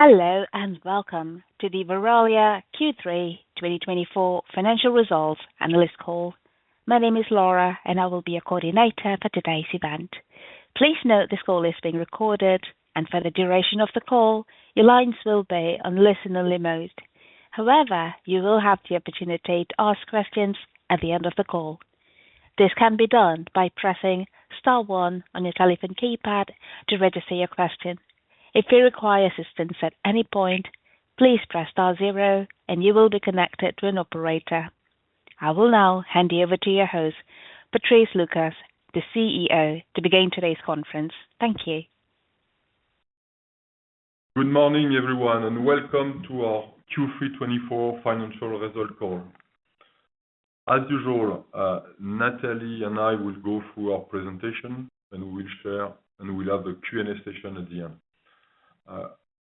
Hello, and welcome to the Verallia Q3 2024 financial results analyst call. My name is Laura, and I will be your coordinator for today's event. Please note this call is being recorded, and for the duration of the call, your lines will be on listen-only mode. However, you will have the opportunity to ask questions at the end of the call. This can be done by pressing star one on your telephone keypad to register your question. If you require assistance at any point, please press star zero, and you will be connected to an operator. I will now hand you over to your host, Patrice Lucas, the CEO, to begin today's conference. Thank you. Good morning, everyone, and welcome to our Q3 2024 financial results call. As usual, Nathalie and I will go through our presentation, and we'll share, and we'll have a Q&A session at the end.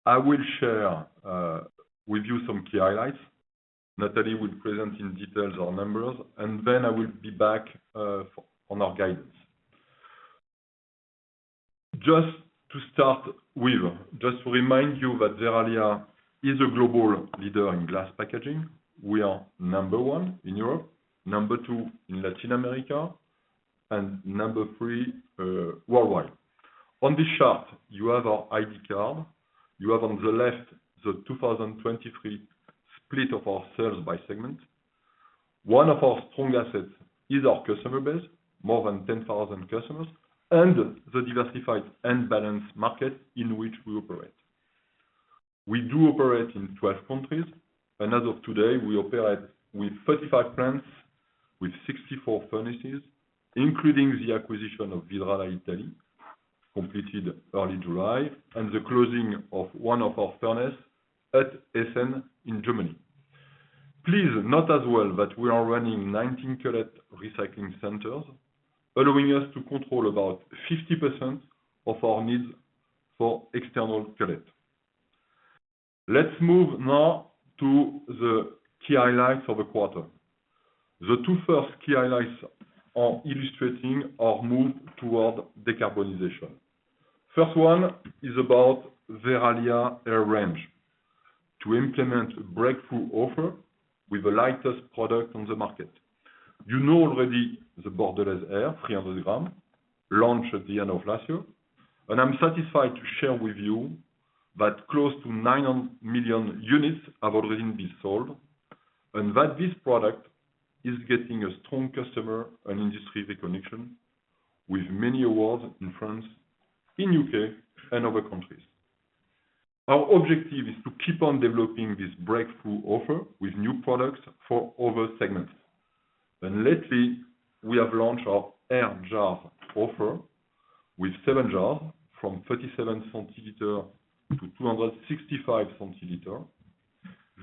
I will share with you some key highlights. Nathalie will present in detail our numbers, and then I will be back on our guidance. Just to start with, just to remind you that Verallia is a global leader in glass packaging. We are number one in Europe, number two in Latin America, and number three worldwide. On this chart, you have our ID card. You have on the left the 2023 split of our sales by segment. One of our strong assets is our customer base, more than 10,000 customers, and the diversified and balanced market in which we operate. We do operate in 12 countries, and as of today, we operate with 35 plants, with 64 furnaces, including the acquisition of Vidrala, Italy, completed early July, and the closing of one of our furnaces at Essen in Germany. Please note as well that we are running 19 cullet recycling centers, allowing us to control about 50% of our needs for external cullet. Let's move now to the key highlights of the quarter. The two first key highlights are illustrating our move toward decarbonization. First one is about Verallia Air range. To implement a breakthrough offer with the lightest product on the market. You know already the Bordelaise Air 300g, launched at the end of last year, and I'm satisfied to share with you that close to 900 million units have already been sold, and that this product is getting a strong customer and industry recognition with many awards in France, in U.K., and other countries. Our objective is to keep on developing this breakthrough offer with new products for other segments. Lately, we have launched our Air Jar offer with seven jars from 37 centiliter to 265 centiliter.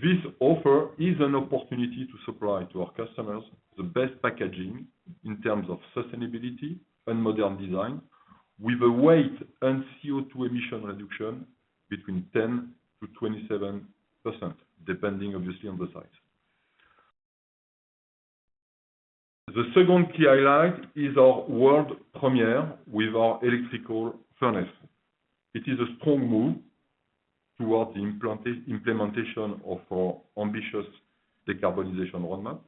This offer is an opportunity to supply to our customers the best packaging in terms of sustainability and modern design, with a weight and CO2 emission reduction between 10% to 27%, depending, obviously, on the size. The second key highlight is our world premiere with our electrical furnace. It is a strong move towards the implementation of our ambitious decarbonization roadmap.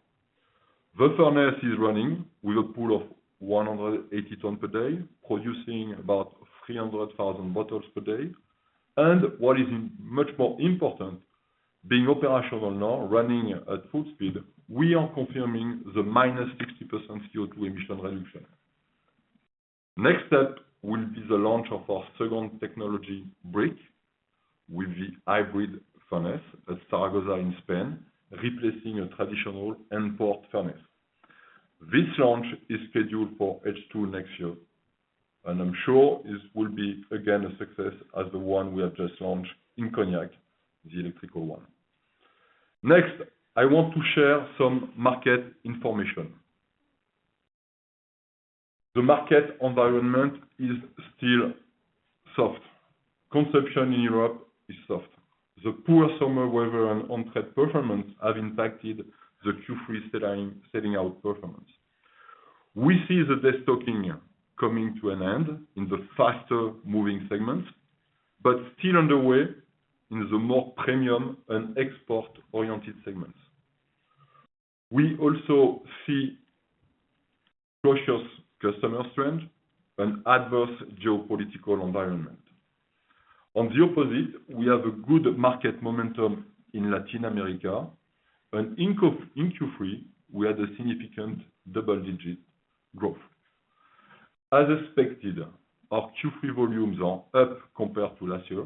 The furnace is running with a pull of 180 tons per day, producing about 300,000 bottles per day. What is much more important, being operational now, running at full speed, we are confirming the -60% CO2 emission reduction. Next step will be the launch of our second technology breakthrough, with the hybrid furnace at Zaragoza in Spain, replacing a traditional end-of-life furnace. This launch is scheduled for H2 next year, and I'm sure this will be, again, a success as the one we have just launched in Cognac, the electrical one. Next, I want to share some market information. The market environment is still soft. Construction in Europe is soft. The poor summer weather and on-trade performance have impacted the Q3 selling out performance. We see the destocking coming to an end in the faster-moving segments, but still underway in the more premium and export-oriented segments. We also see cautious customer strength and adverse geopolitical environment. On the opposite, we have a good market momentum in Latin America, and in Q3, we had a significant double-digit growth. As expected, our Q3 volumes are up compared to last year.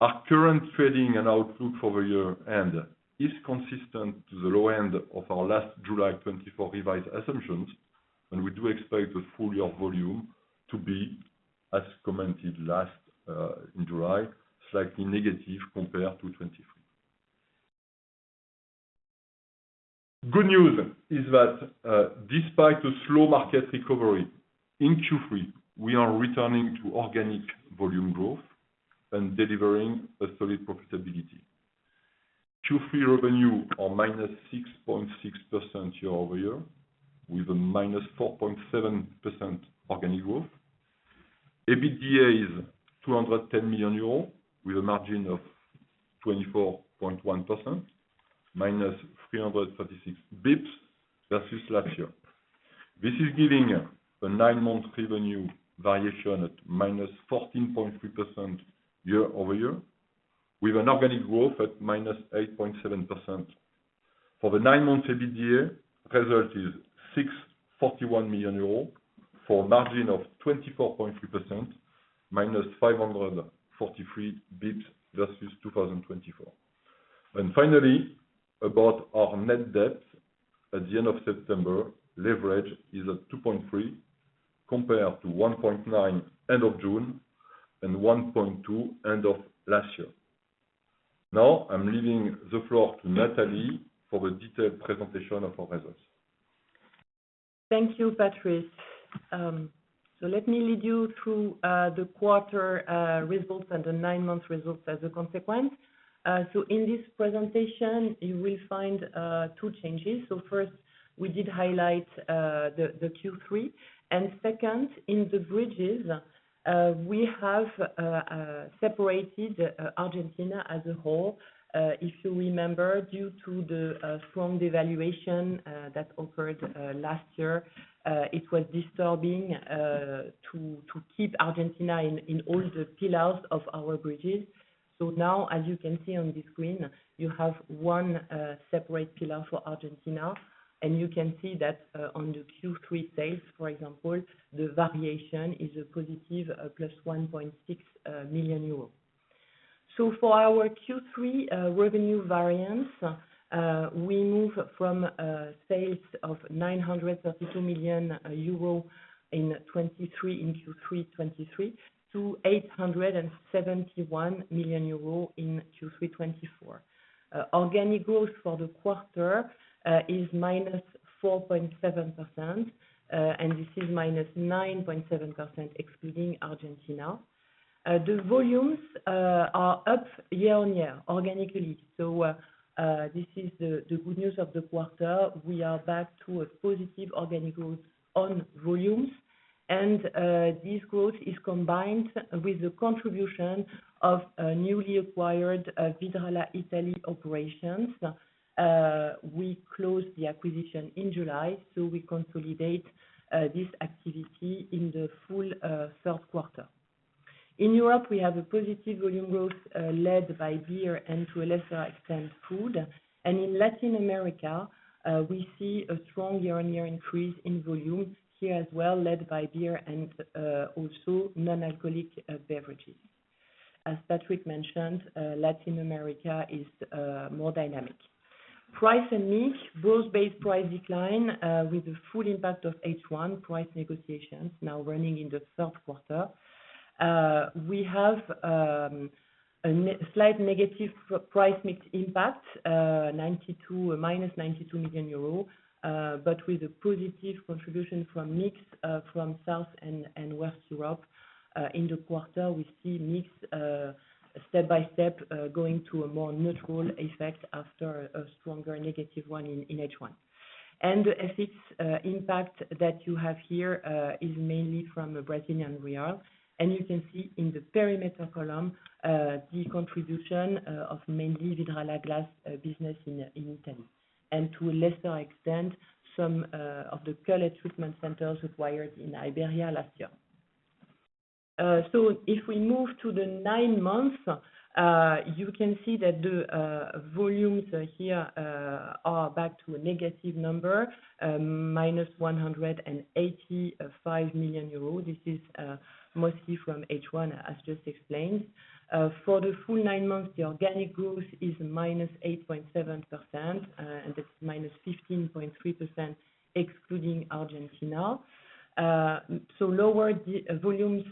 Our current trading and outlook for the year end is consistent to the low end of our last July 2024 revised assumptions, and we do expect the full year volume to be, as commented last, in July, slightly negative compared to 2023. Good news is that, despite the slow market recovery in Q3, we are returning to organic volume growth and delivering a solid profitability. Q3 revenue are -6.6% year-over-year, with a -4.7% organic growth. EBITDA is 210 million euros, with a margin of 24.1%, -336 basis points versus last year. This is giving a nine-month revenue variation at -14.3% year-over-year, with an organic growth at -8.7%. For the nine-month EBITDA, result is 641 million euros for a margin of 24.3%, -543 basis points versus 2024. And finally, about our Net Debt, at the end of September, leverage is at 2.3, compared to 1.9 end of June and 1.2 end of last year. Now, I'm leaving the floor to Nathalie for the detailed presentation of our results. Thank you, Patrice. So let me lead you through the quarter results and the nine-month results as a consequence. So in this presentation, you will find two changes. So first, we did highlight the Q3. And second, in the bridges, we have separated Argentina as a whole. If you remember, due to the strong devaluation that occurred last year, it was disturbing to keep Argentina in all the pillars of our bridges. So now, as you can see on the screen, you have one separate pillar for Argentina, and you can see that on the Q3 sales, for example, the variation is a positive +1.6 million euros. For our Q3, revenue variance, we move from sales of 932 million euro in Q3 2023, to 871 million euro in Q3 2024. Organic growth for the quarter is -4.7%, and this is -9.7% excluding Argentina. The volumes are up year-on-year, organically. This is the good news of the quarter. We are back to a positive organic growth on volumes. This growth is combined with the contribution of newly acquired Vidrala, Italy operations. We closed the acquisition in July, so we consolidate this activity in the full third quarter. In Europe, we have a positive volume growth, led by beer and to a lesser extent, food. In Latin America, we see a strong year-on-year increase in volume here as well, led by beer and also non-alcoholic beverages. As Patrice mentioned, Latin America is more dynamic. Price and mix, gross base price decline, with the full impact of H1 price negotiations now running in the third quarter. We have a slight negative price mix impact, -92 million euros, but with a positive contribution from mix, from South and West Europe. In the quarter, we see mix step-by-step going to a more neutral effect after a stronger -1% in H1. The FX impact that you have here is mainly from the Brazilian real. And you can see in the Perimeter column, the contribution of mainly Vidrala Glass business in Italy, and to a lesser extent, some of the cullet treatment centers acquired in Iberia last year. So if we move to the nine months, you can see that the volumes here are back to a negative number, -185 million euros. This is mostly from H1, as just explained. For the full nine months, the organic growth is -8.7%, and it's -15.3%, excluding Argentina. So lower the volumes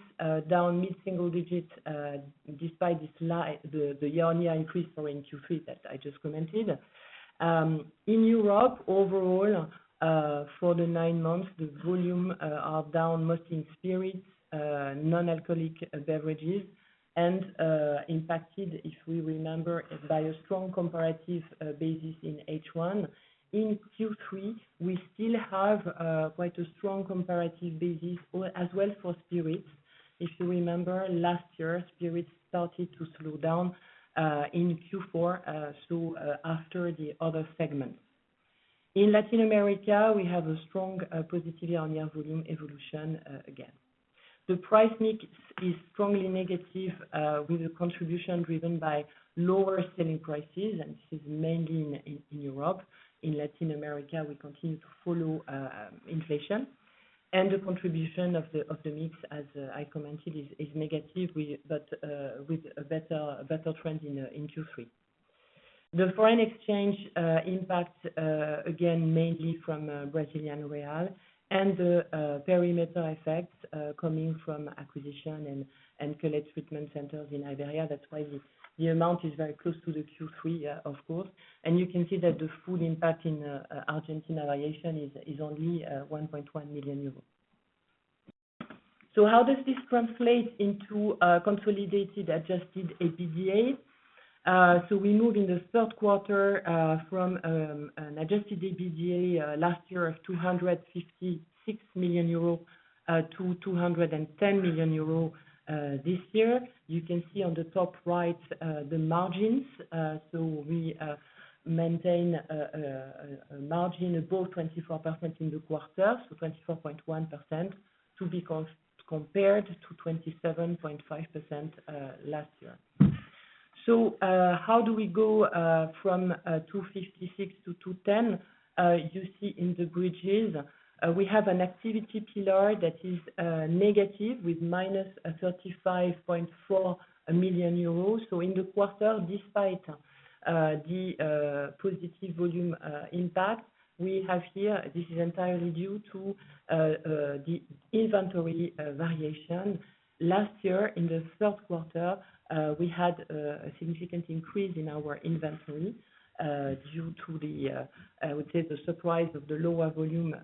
down mid-single digits, despite the year-on-year increase from Q3 that I just commented. In Europe overall, for the nine months, the volume are down, mostly in spirits, non-alcoholic beverages, and impacted, if we remember, by a strong comparative basis in H1. In Q3, we still have quite a strong comparative basis as well for spirits. If you remember, last year, spirits started to slow down in Q4, so after the other segments. In Latin America, we have a strong positive year-on-year volume evolution again. The price mix is strongly negative, with the contribution driven by lower selling prices, and this is mainly in Europe. In Latin America, we continue to follow inflation. And the contribution of the mix, as I commented, is negative, but with a better trend in Q3. The Foreign Exchange impact, again, mainly from Brazilian real and the perimeter effect coming from acquisition and cullet treatment centers in Iberia. That's why the amount is very close to the Q3, of course, and you can see that the full impact in Argentina variation is only 1.1 million euros. How does this translate into consolidated adjusted EBITDA? We move in the third quarter from an adjusted EBITDA last year of 256 million euro to 210 million euro this year. You can see on the top right the margins. So we maintain a margin above 24% in the quarter, so 24.1%, compared to 27.5% last year. So, how do we go from 256 million to 210 million? You see in the bridges, we have an activity pillar that is negative, with -35.4 million euros. So in the quarter, despite the positive volume impact we have here, this is entirely due to the inventory variation. Last year, in the third quarter, we had a significant increase in our inventory due to the, I would say, the surprise of the lower volume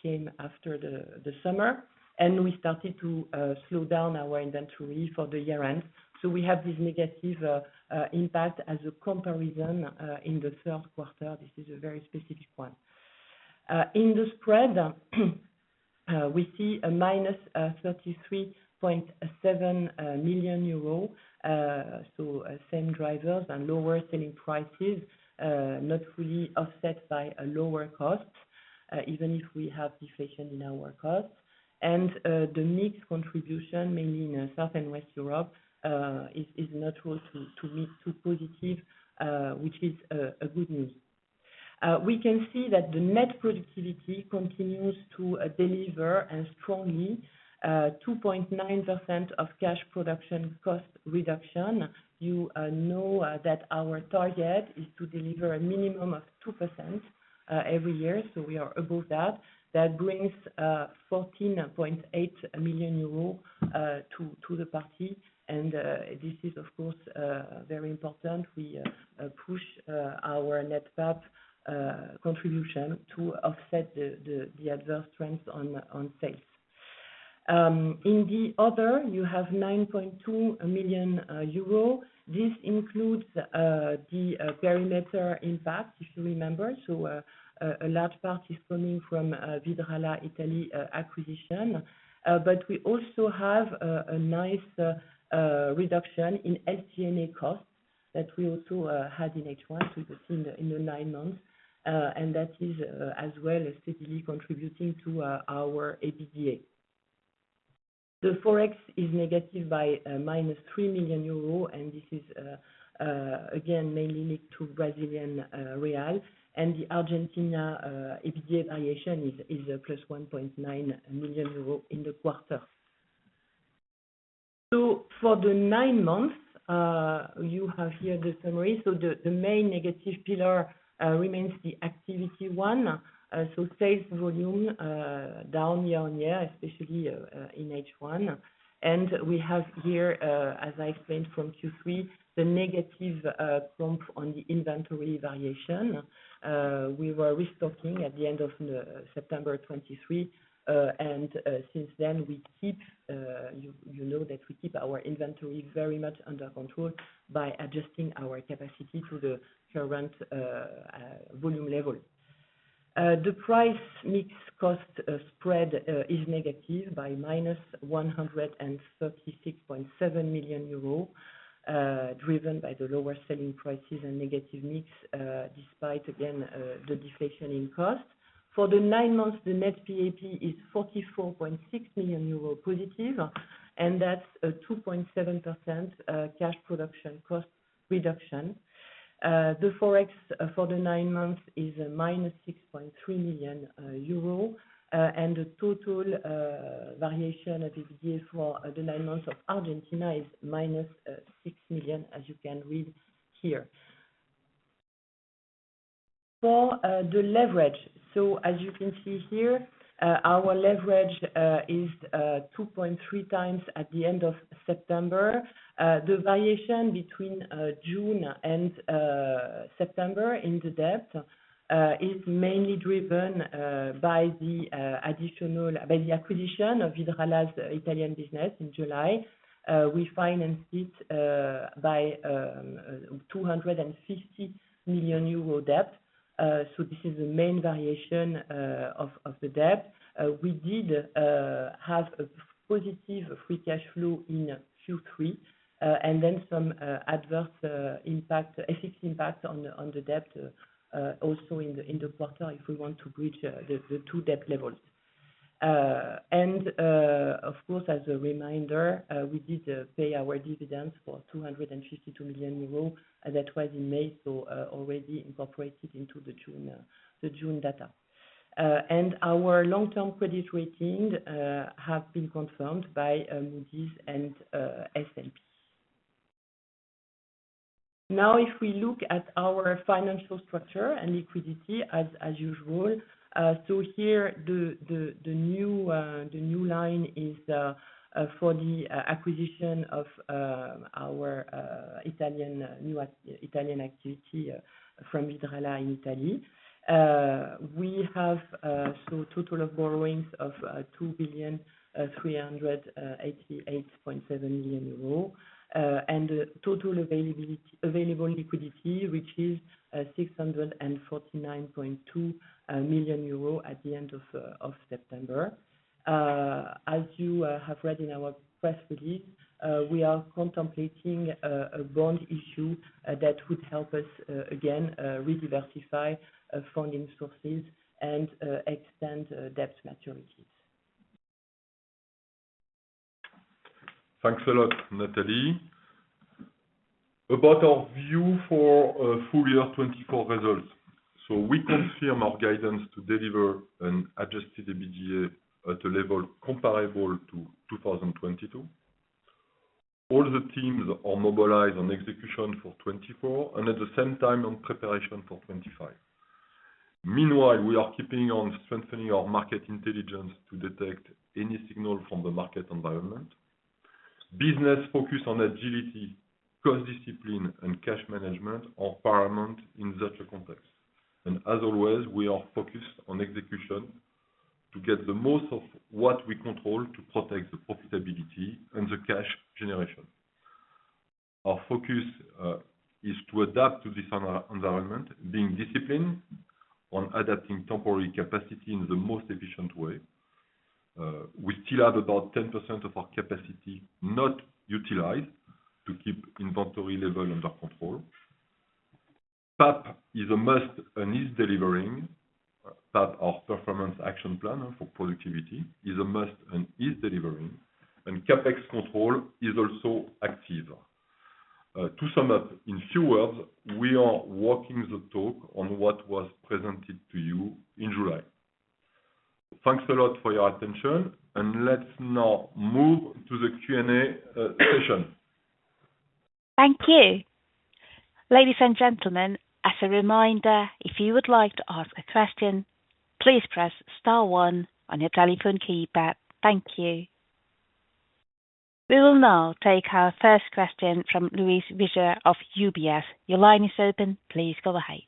came after the summer, and we started to slow down our inventory for the year-end. We have this negative impact as a comparison in the third quarter. This is a very specific one. In the Spread, we see a -33.7 million euro. So same drivers and lower selling prices not fully offset by a lower cost even if we have deflation in our costs. And the mix contribution, mainly in South and West Europe, is now turning to positive, which is a good news. We can see that the net productivity continues to deliver strongly 2.9% of cash production cost reduction. You know that our target is to deliver a minimum of 2% every year, so we are above that. That brings 14.8 million euros to the party. This is, of course, very important. We push our net back contribution to offset the adverse trends on sales. In the other, you have 9.2 million euro. This includes the perimeter impact, if you remember. A large part is coming from Vidrala, Italy acquisition. We also have a nice reduction in SG&A costs that we also had in H1, so we've seen in the nine months. That is as well steadily contributing to our EBITDA. The Forex is negative by - 3 million euro, and this is again mainly linked to Brazilian real. And the Argentina EBITDA variation is +1.9 million euro in the quarter. So for the nine months, you have here the summary. So the main negative pillar remains the activity one. So sales volume down year on year, especially in H1. And we have here, as I explained from Q3, the negative bump on the inventory variation. We were restocking at the end of September 2023. And since then we keep, you know, that we keep our inventory very much under control by adjusting our capacity to the current volume level. The Price-Mix Cost Spread is negative by -136.7 million euros, driven by the lower selling prices and negative mix, despite again the deflation in cost. For the nine months, the net PAP is 44.6 million euro positive, and that's a 2.7% cash production cost reduction. The Forex for the nine months is a -6.3 million euro. And the total variation at the beginning for the nine months of Argentina is -6 million, as you can read here. For the leverage, so as you can see here, our leverage is 2.3 times at the end of September. The variation between June and September in the debt is mainly driven by the acquisition of Vidrala's Italian business in July. We financed it by 250 million euro debt. So this is the main variation of the debt. We did have a positive free cash flow in Q3, and then some adverse impact, FX impact on the debt, also in the quarter, if we want to bridge the two debt levels. And, of course, as a reminder, we did pay our dividends for 252 million euros, and that was in May, so already incorporated into the June data. And our long-term credit rating have been confirmed by Moody's and S&P. Now, if we look at our financial structure and liquidity as usual, so here the new line is for the acquisition of our new Italian activity from Vidrala in Italy. We have total borrowings of 2,388.7 million euro. And total available liquidity, which is 649.2 million euros at the end of September. As you have read in our press release, we are contemplating a bond issue that would help us again rediversify funding sources and extend debt maturities. Thanks a lot, Nathalie. About our view for full year 2024 results, so we confirm our guidance to deliver an Adjusted EBITDA at a level comparable to 2022. All the teams are mobilized on execution for 2024 and at the same time, on preparation for 2025. Meanwhile, we are keeping on strengthening our market intelligence to detect any signal from the market environment. Business focused on agility, cost discipline, and cash management are paramount in such a context, and as always, we are focused on execution to get the most of what we control to protect the profitability and the cash generation. Our focus is to adapt to this environment, being disciplined on adapting temporary capacity in the most efficient way. We still have about 10% of our capacity not utilized to keep inventory level under control. PAP is a must and is delivering. PAP, our Performance Action plan for productivity, is a must and is delivering, and CapEx control is also active. To sum up in few words, we are walking the talk on what was presented to you in July. Thanks a lot for your attention, and let's now move to the Q&A session. Thank you. Ladies and gentlemen, as a reminder, if you would like to ask a question, please press star one on your telephone keypad. Thank you. We will now take our first question from Louise Wiseur of UBS. Your line is open. Please go ahead.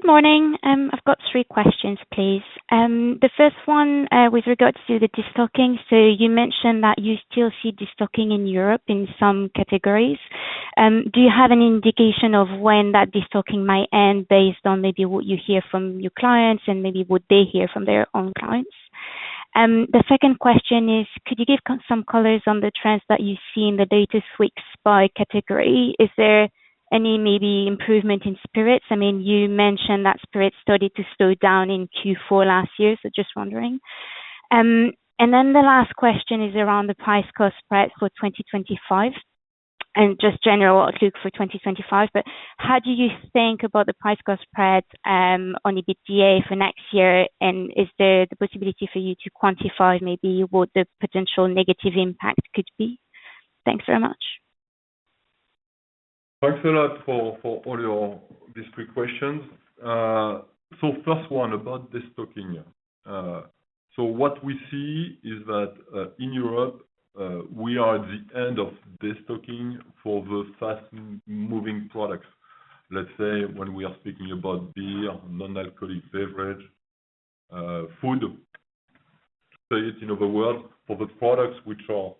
Good morning. I've got three questions, please. The first one, with regards to the destocking. So you mentioned that you still see destocking in Europe in some categories. Do you have any indication of when that destocking might end, based on maybe what you hear from your clients, and maybe what they hear from their own clients? The second question is, could you give some colors on the trends that you see in the data weeks by category? Is there any maybe improvement in spirits? I mean, you mentioned that spirits started to slow down in Q4 last year, so just wondering. And then the last question is around the Price Cost Spread for 2025, and just general outlook for 2025 But how do you think about the Price Cost Spread, on EBITDA for next year? Is there the possibility for you to quantify maybe what the potential negative impact could be? Thanks very much. Thanks a lot for all your these three questions. So first one, about destocking. So what we see is that in Europe we are at the end of destocking for the fast-moving products. Let's say when we are speaking about beer, non-alcoholic beverage, food. Say it in other words, for the products which are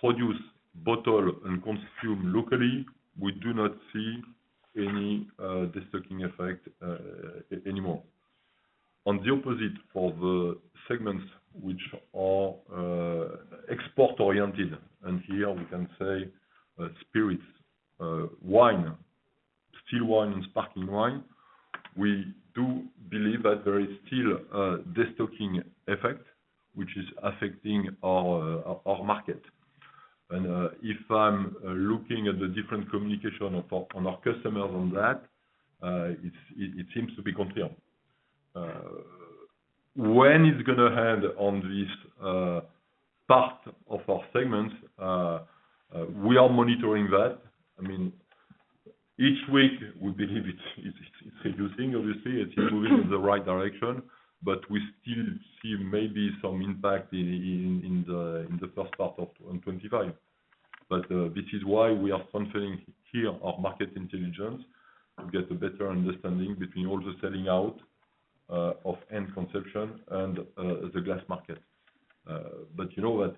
produced, bottled, and consumed locally, we do not see any destocking effect anymore. On the opposite, for the segments which are export-oriented, and here we can say spirits, wine, still wine and sparkling wine, we do believe that there is still a destocking effect, which is affecting our market. And if I'm looking at the different communication of our on our customers on that, it seems to be confirmed. When it's gonna end on this part of our segment, we are monitoring that. I mean, each week we believe it's reducing. Obviously, it's moving in the right direction, but we still see maybe some impact in the first part of 2025. But this is why we are strengthening here our market intelligence, to get a better understanding between all the selling out of end consumption and the glass market. But you know what?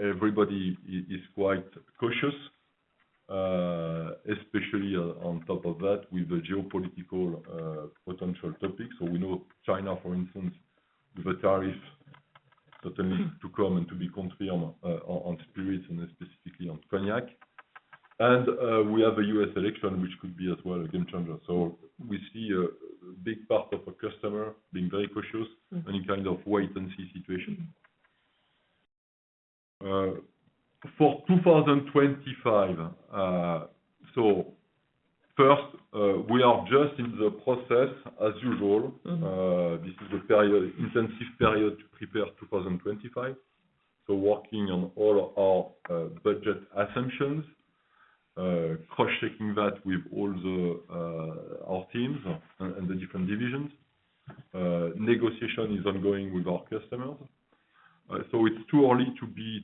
Everybody is quite cautious, especially on top of that, with the geopolitical potential topics. So we know China, for instance, the tariffs certainly to come and to be confirmed on spirits and specifically on Cognac. And we have a U.S. election, which could be as well a game changer. So we see a big part of our customer being very cautious and a kind of wait-and-see situation. For 2025, we are just in the process as usual. This is an intensive period to prepare 2025, so working on all our budget assumptions, crosschecking that with all our teams and the different divisions. Negotiation is ongoing with our customers. It's too early to be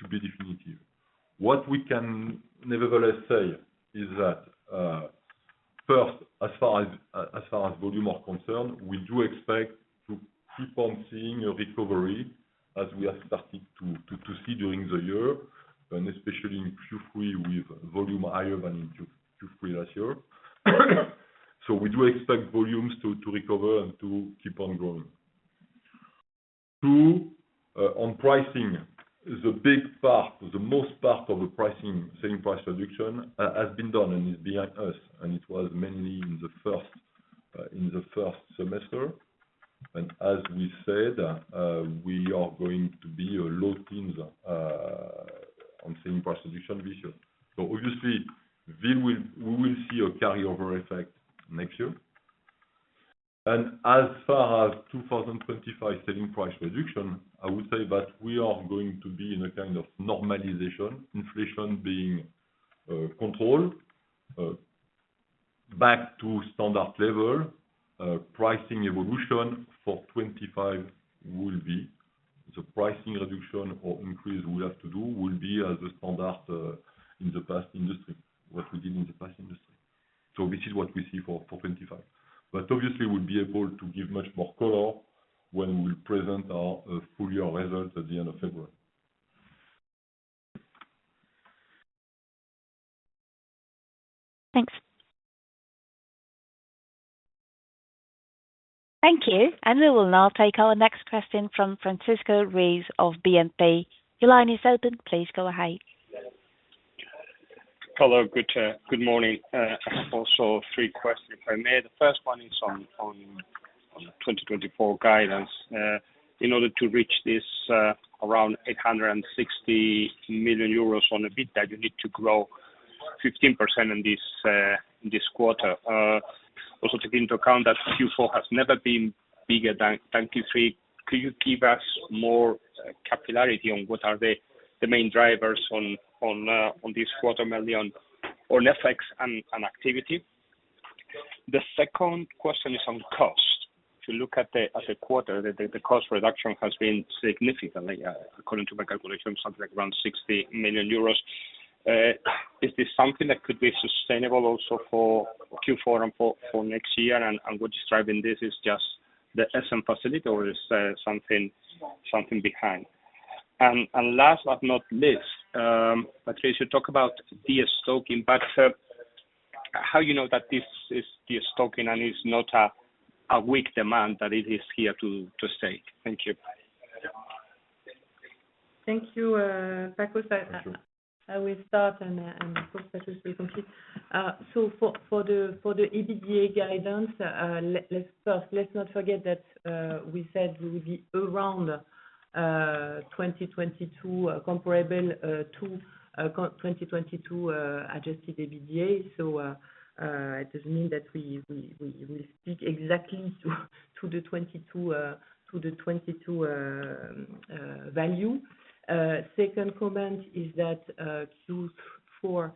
definitive. What we can nevertheless say is that, first, as far as volumes are concerned, we do expect to keep on seeing a recovery as we are starting to see during the year, and especially in Q3 with volumes higher than in Q3 last year. So we do expect volumes to recover and to keep on growing. Two, on pricing, the big part, the most part of the pricing, selling price reduction, has been done and is behind us, and it was mainly in the first semester. And as we said, we are going to be a low teens on same price reduction this year. So obviously, we will see a carryover effect next year. And as far as two thousand and twenty-five selling price reduction, I would say that we are going to be in a kind of normalization, inflation being controlled, back to standard level. Pricing evolution for 2025 will be the pricing reduction or increase we have to do will be as a standard in the past industry, what we did in the past industry. So which is what we see for 2025. But obviously we'll be able to give much more color when we present our full year results at the end of February. Thanks. Thank you, and we will now take our next question from Francisco Ruiz of BNP. Your line is open. Please go ahead. Hello. Good morning. Also, three questions, if I may. The first one is on the 2024 guidance. In order to reach this around 860 million euros on EBITDA, you need to grow 15% in this quarter. Also, take into account that Q4 has never been bigger than Q3. Could you give us more granularity on what are the main drivers on this quarter, mainly on FX and activity? The second question is on cost. If you look at the Q3 as a quarter, the cost reduction has been significantly according to my calculation, something like around 60 million euros. Is this something that could be sustainable also for Q4 and for next year? What is driving this is just the Essen facility or is something behind? And last but not least, Patrice, talk about destocking, but how you know that this is destocking and it's not a weak demand that it is here to stay? Thank you. Thank you, Francisco. Thank you. I will start, and of course Patrice will complete. So for the EBITDA guidance, let's first not forget that we said we will be around 2022 comparable to 2022 adjusted EBITDA. So it doesn't mean that we speak exactly to the 2022 value. Second comment is that Q4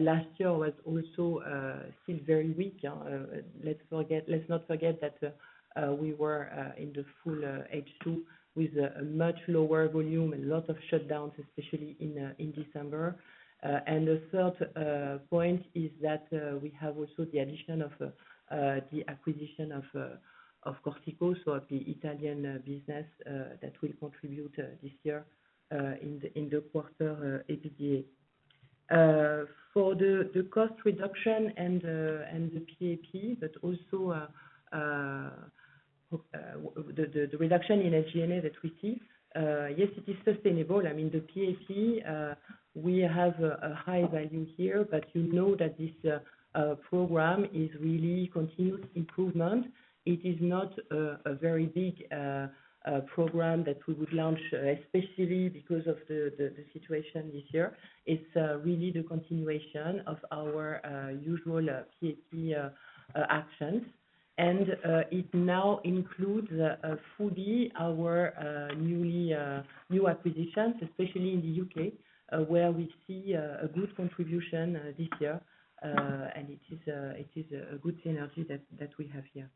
last year was also still very weak. Let's not forget that we were in the full H2 with a much lower volume and lot of shutdowns, especially in December. And the third point is that we have also the addition of the acquisition of Corsico, so of the Italian business that will contribute this year in the quarter EBITDA. For the cost reduction and the PAP, but also the reduction in SG&A that we see, yes, it is sustainable. I mean, the PAP, we have a high value here, but you know that this program is really continued improvement. It is not a very big program that we would launch especially because of the situation this year. It's really the continuation of our usual PAP actions. It now includes fully our new acquisitions, especially in the U.K., where we see a good contribution this year. It is a good synergy that we have here.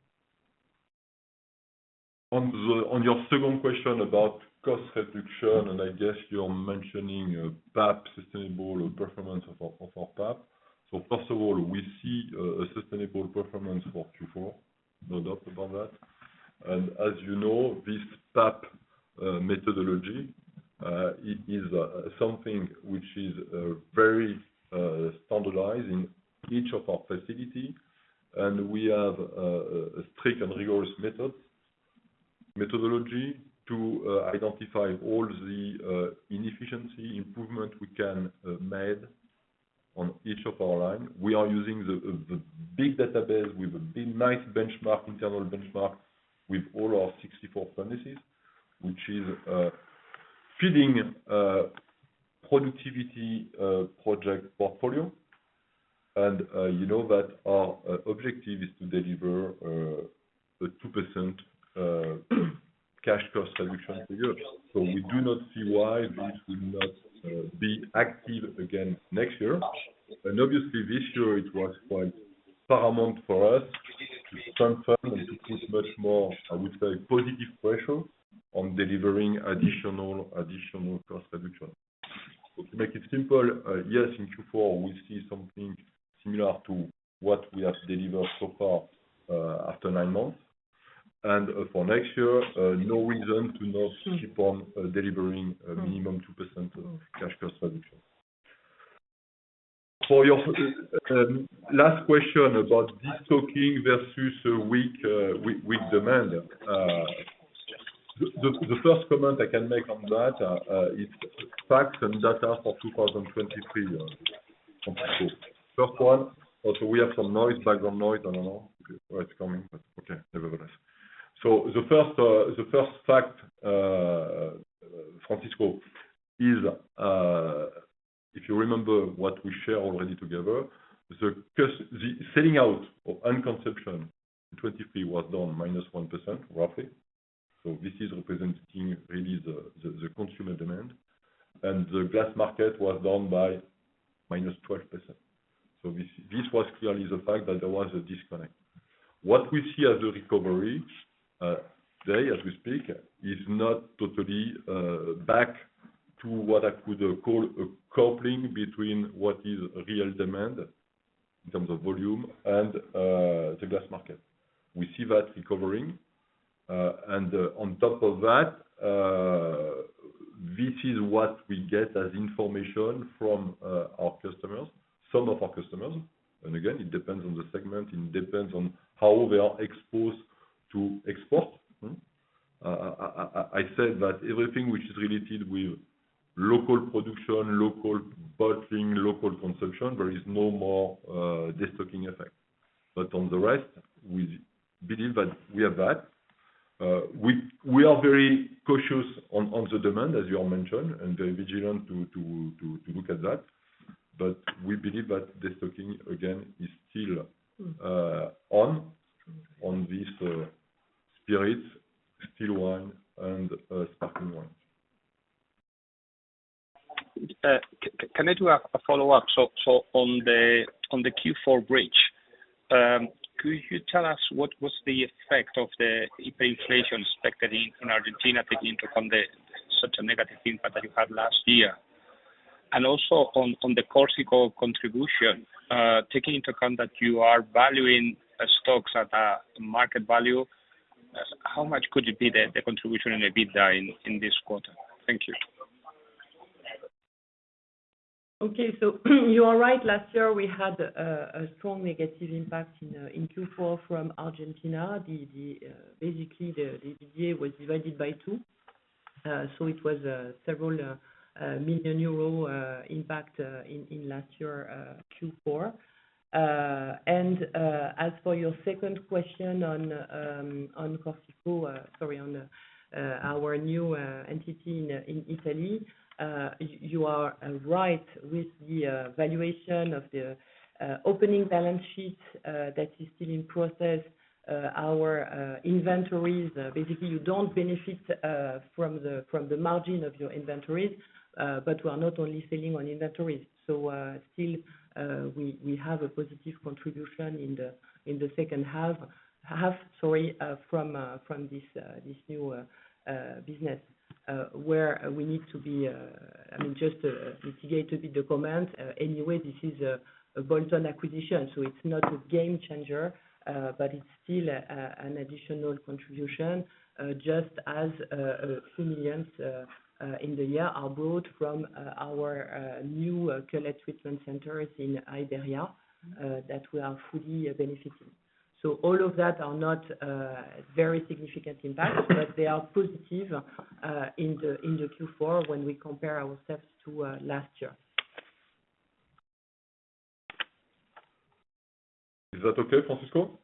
On your second question about cost reduction, and I guess you're mentioning PAP sustainable or performance of our PAP. So first of all, we see a sustainable performance for Q4, no doubt about that. And as you know, this PAP methodology is something which is very standardized in each of our facility, and we have a strict and rigorous methodology to identify all the inefficiency improvement we can made on each of our line. We are using the big database with benchmarking, internal benchmark with all our 64 premises, which is feeding productivity project portfolio. And you know that our objective is to deliver a 2% cash cost reduction per year. So we do not see why this will not be active again next year. And obviously this year it was quite paramount for us to confirm and to put much more, I would say, positive pressure on delivering additional cost reduction. So to make it simple, yes, in Q4, we see something similar to what we have delivered so far, after nine months. And for next year, no reason to not keep on delivering a minimum 2% of cash cost reduction. For your last question about destocking versus weak demand. The first comment I can make on that is facts and data for 2023, Francisco. First one. Also, we have some noise, background noise. I don't know where it's coming, but okay, nevertheless. So the first fact, Francisco, is if you remember what we shared already together, the selling out of end consumption, 2023 was down -1%, roughly. This is representing really the consumer demand, and the glass market was down by -12%. This was clearly the fact that there was a disconnect. What we see as a recovery today, as we speak is not totally back to what I could call a coupling between what is real demand in terms of volume and the glass market. We see that recovering. And on top of that, this is what we get as information from our customers, some of our customers. And again, it depends on the segment, it depends on how they are exposed to export. I said that everything which is related with local production, local bottling, local consumption, there is no more destocking effect. But on the rest, we believe that we have that. We are very cautious on the demand, as you all mentioned, and very vigilant to look at that. But we believe that destocking, again, is still on this spirits, still wine and sparkling wines. Can I do a follow-up? So on the Q4 bridge, could you tell us what was the effect of the hyperinflation expected in Argentina, taking into account the such a negative impact that you had last year? And also on the Corsico contribution, taking into account that you are valuing stocks at market value, how much could it be the contribution in EBITDA in this quarter? Thank you. Okay. So you are right. Last year we had a strong negative impact in Q4 from Argentina. Basically, the year was divided by two, so it was several million EUR impact in last year Q4. And as for your second question on Corsico, sorry, on our new entity in Italy, you are right with the valuation of the opening balance sheet that is still in process. Our inventories, basically, you don't benefit from the margin of your inventories, but we are not only selling on inventories. So, still, we have a positive contribution in the second half, sorry, from this new business, where we need to be, I mean, just mitigated the comment. Anyway, this is a bolt-on acquisition, so it's not a game changer, but it's still an additional contribution, just as few millions in the year are brought from our new cullet treatment centers in Iberia, that we are fully benefiting. So all of that are not very significant impact, but they are positive in the Q4 when we compare ourselves to last year. Is that okay, Francisco?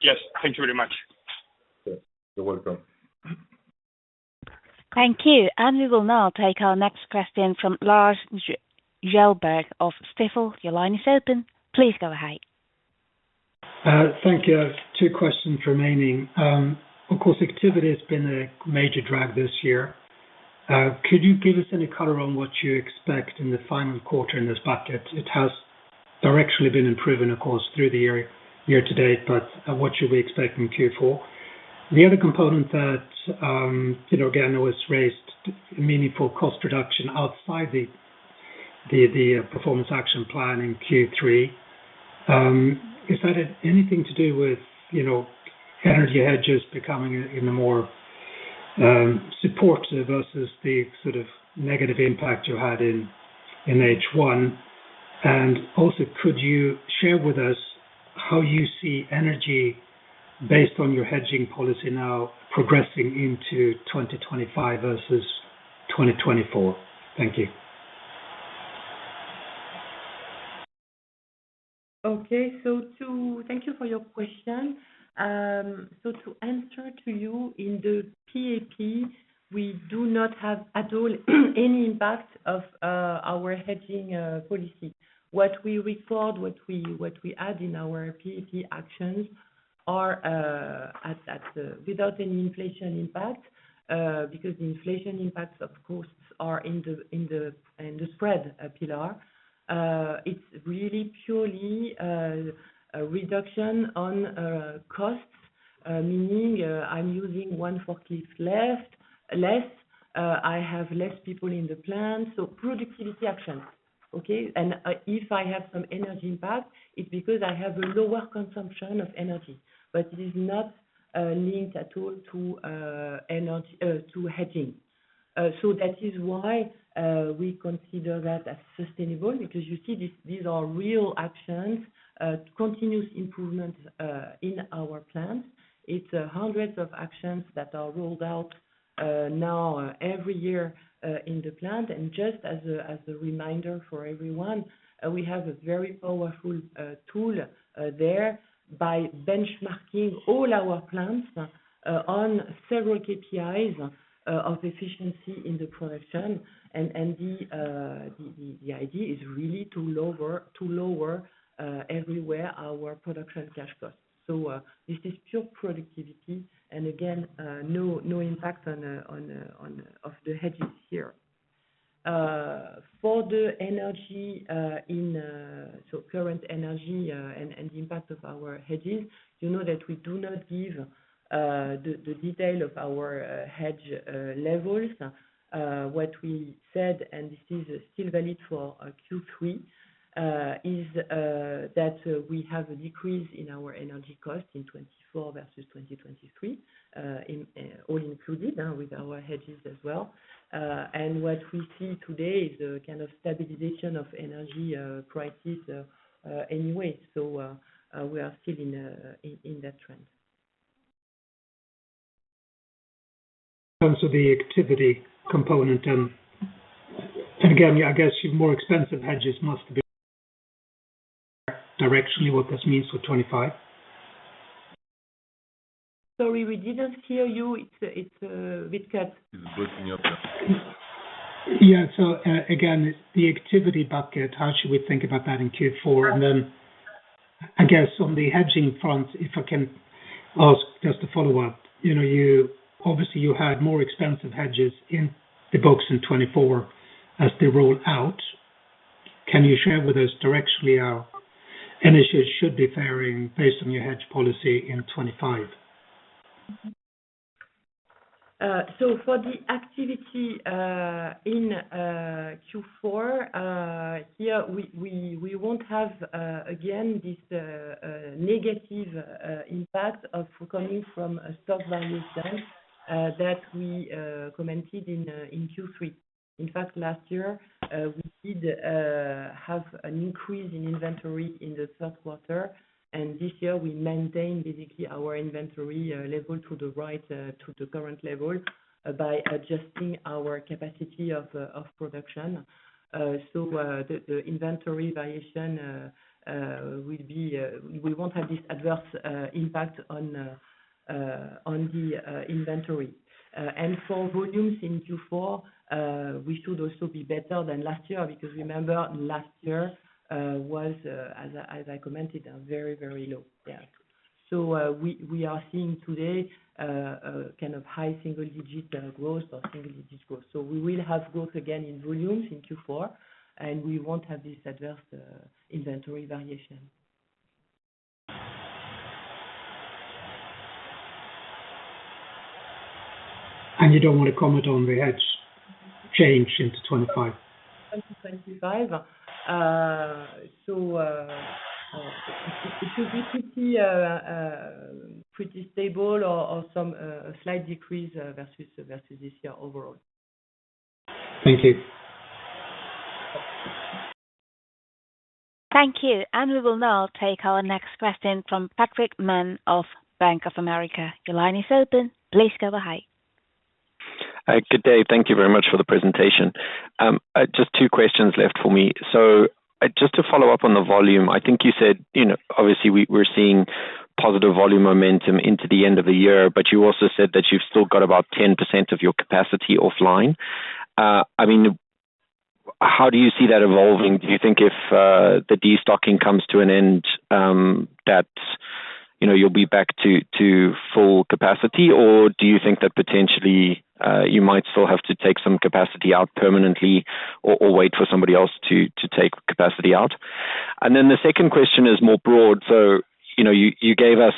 Yes. Thank you very much. You're welcome. Thank you, and we will now take our next question from Lars Kjellberg of Stifel. Your line is open. Please go ahead. Thank you. I have two questions remaining. Of course, activity has been a major drag this year. Could you give us any color on what you expect in the final quarter in this bucket? It has directionally been improving, of course, through the year, year-to-date, but what should we expect in Q4? The other component that, you know, again, was raised, meaningful cost reduction outside the Performance Action Plan in Q3. Has that had anything to do with, you know, energy hedges becoming even more supportive versus the sort of negative impact you had in H1? And also, could you share with us how you see energy based on your hedging policy now progressing into 2025 versus 2024? Thank you. Okay, thank you for your question. So to answer to you, in the PAP, we do not have at all any impact of our hedging policy. What we add in our PAP actions are without any inflation impact because the inflation impacts, of course, are in the spread pillar. It's really purely a reduction on costs, meaning I'm using one forklift less. I have less people in the plant, so productivity actions. Okay? And if I have some energy impact, it's because I have a lower consumption of energy. But it is not linked at all to energy to hedging. So that is why we consider that as sustainable, because you see these are real actions, continuous improvements in our plant. It's hundreds of actions that are rolled out now every year in the plant. And just as a reminder for everyone, we have a very powerful tool there by benchmarking all our plants on several KPIs of efficiency in the production. And the idea is really to lower everywhere our production cash costs. So this is pure productivity, and again no impact on the hedges here. For the energy, so current energy and the impact of our hedges, you know that we do not give the detail of our hedge levels. What we said, and this is still valid for Q3, is that we have a decrease in our energy cost in 2024 versus 2023, all included with our hedges as well. What we see today is a kind of stabilization of energy prices, anyway. We are still in that trend. In terms of the activity component, and again, I guess your more expensive hedges must be directionally what this means for 2025? Sorry, we didn't hear you. It's bit cut. You're breaking up. Yeah. So, again, the activity bucket, how should we think about that in Q4? And then, I guess on the hedging front, if I can ask just a follow-up. You know, you obviously had more expensive hedges in the books in 2024 as they rolled out. Can you share with us directionally how energies should be varying based on your hedge policy in 2025? So for the activity in Q4 here we won't have again this negative impact coming from a stock buildup that we commented in Q3. In fact, last year we did have an increase in inventory in the third quarter, and this year we maintained basically our inventory level to the right to the current level by adjusting our capacity of production. So the inventory variation will be we won't have this adverse impact on the inventory. And for volumes in Q4 we should also be better than last year, because remember, last year was as I commented very very low. Yeah. We are seeing today a kind of high single digit growth or single digit growth. We will have growth again in volumes in Q4, and we won't have this adverse inventory variation. You don't want to comment on the hedge change into 2025? 2025, so, it should be pretty stable or some slight decrease versus this year overall. Thank you. Thank you. And we will now take our next question from Patrick Mann of Bank of America. Your line is open. Please go ahead. Good day. Thank you very much for the presentation. Just two questions left for me. So just to follow up on the volume, I think you said, you know, obviously we're seeing positive volume momentum into the end of the year, but you also said that you've still got about 10% of your capacity offline. I mean, how do you see that evolving? Do you think if the destocking comes to an end, that, you know, you'll be back to full capacity? Or do you think that potentially you might still have to take some capacity out permanently or wait for somebody else to take capacity out? And then the second question is more broad. So, you know, you gave us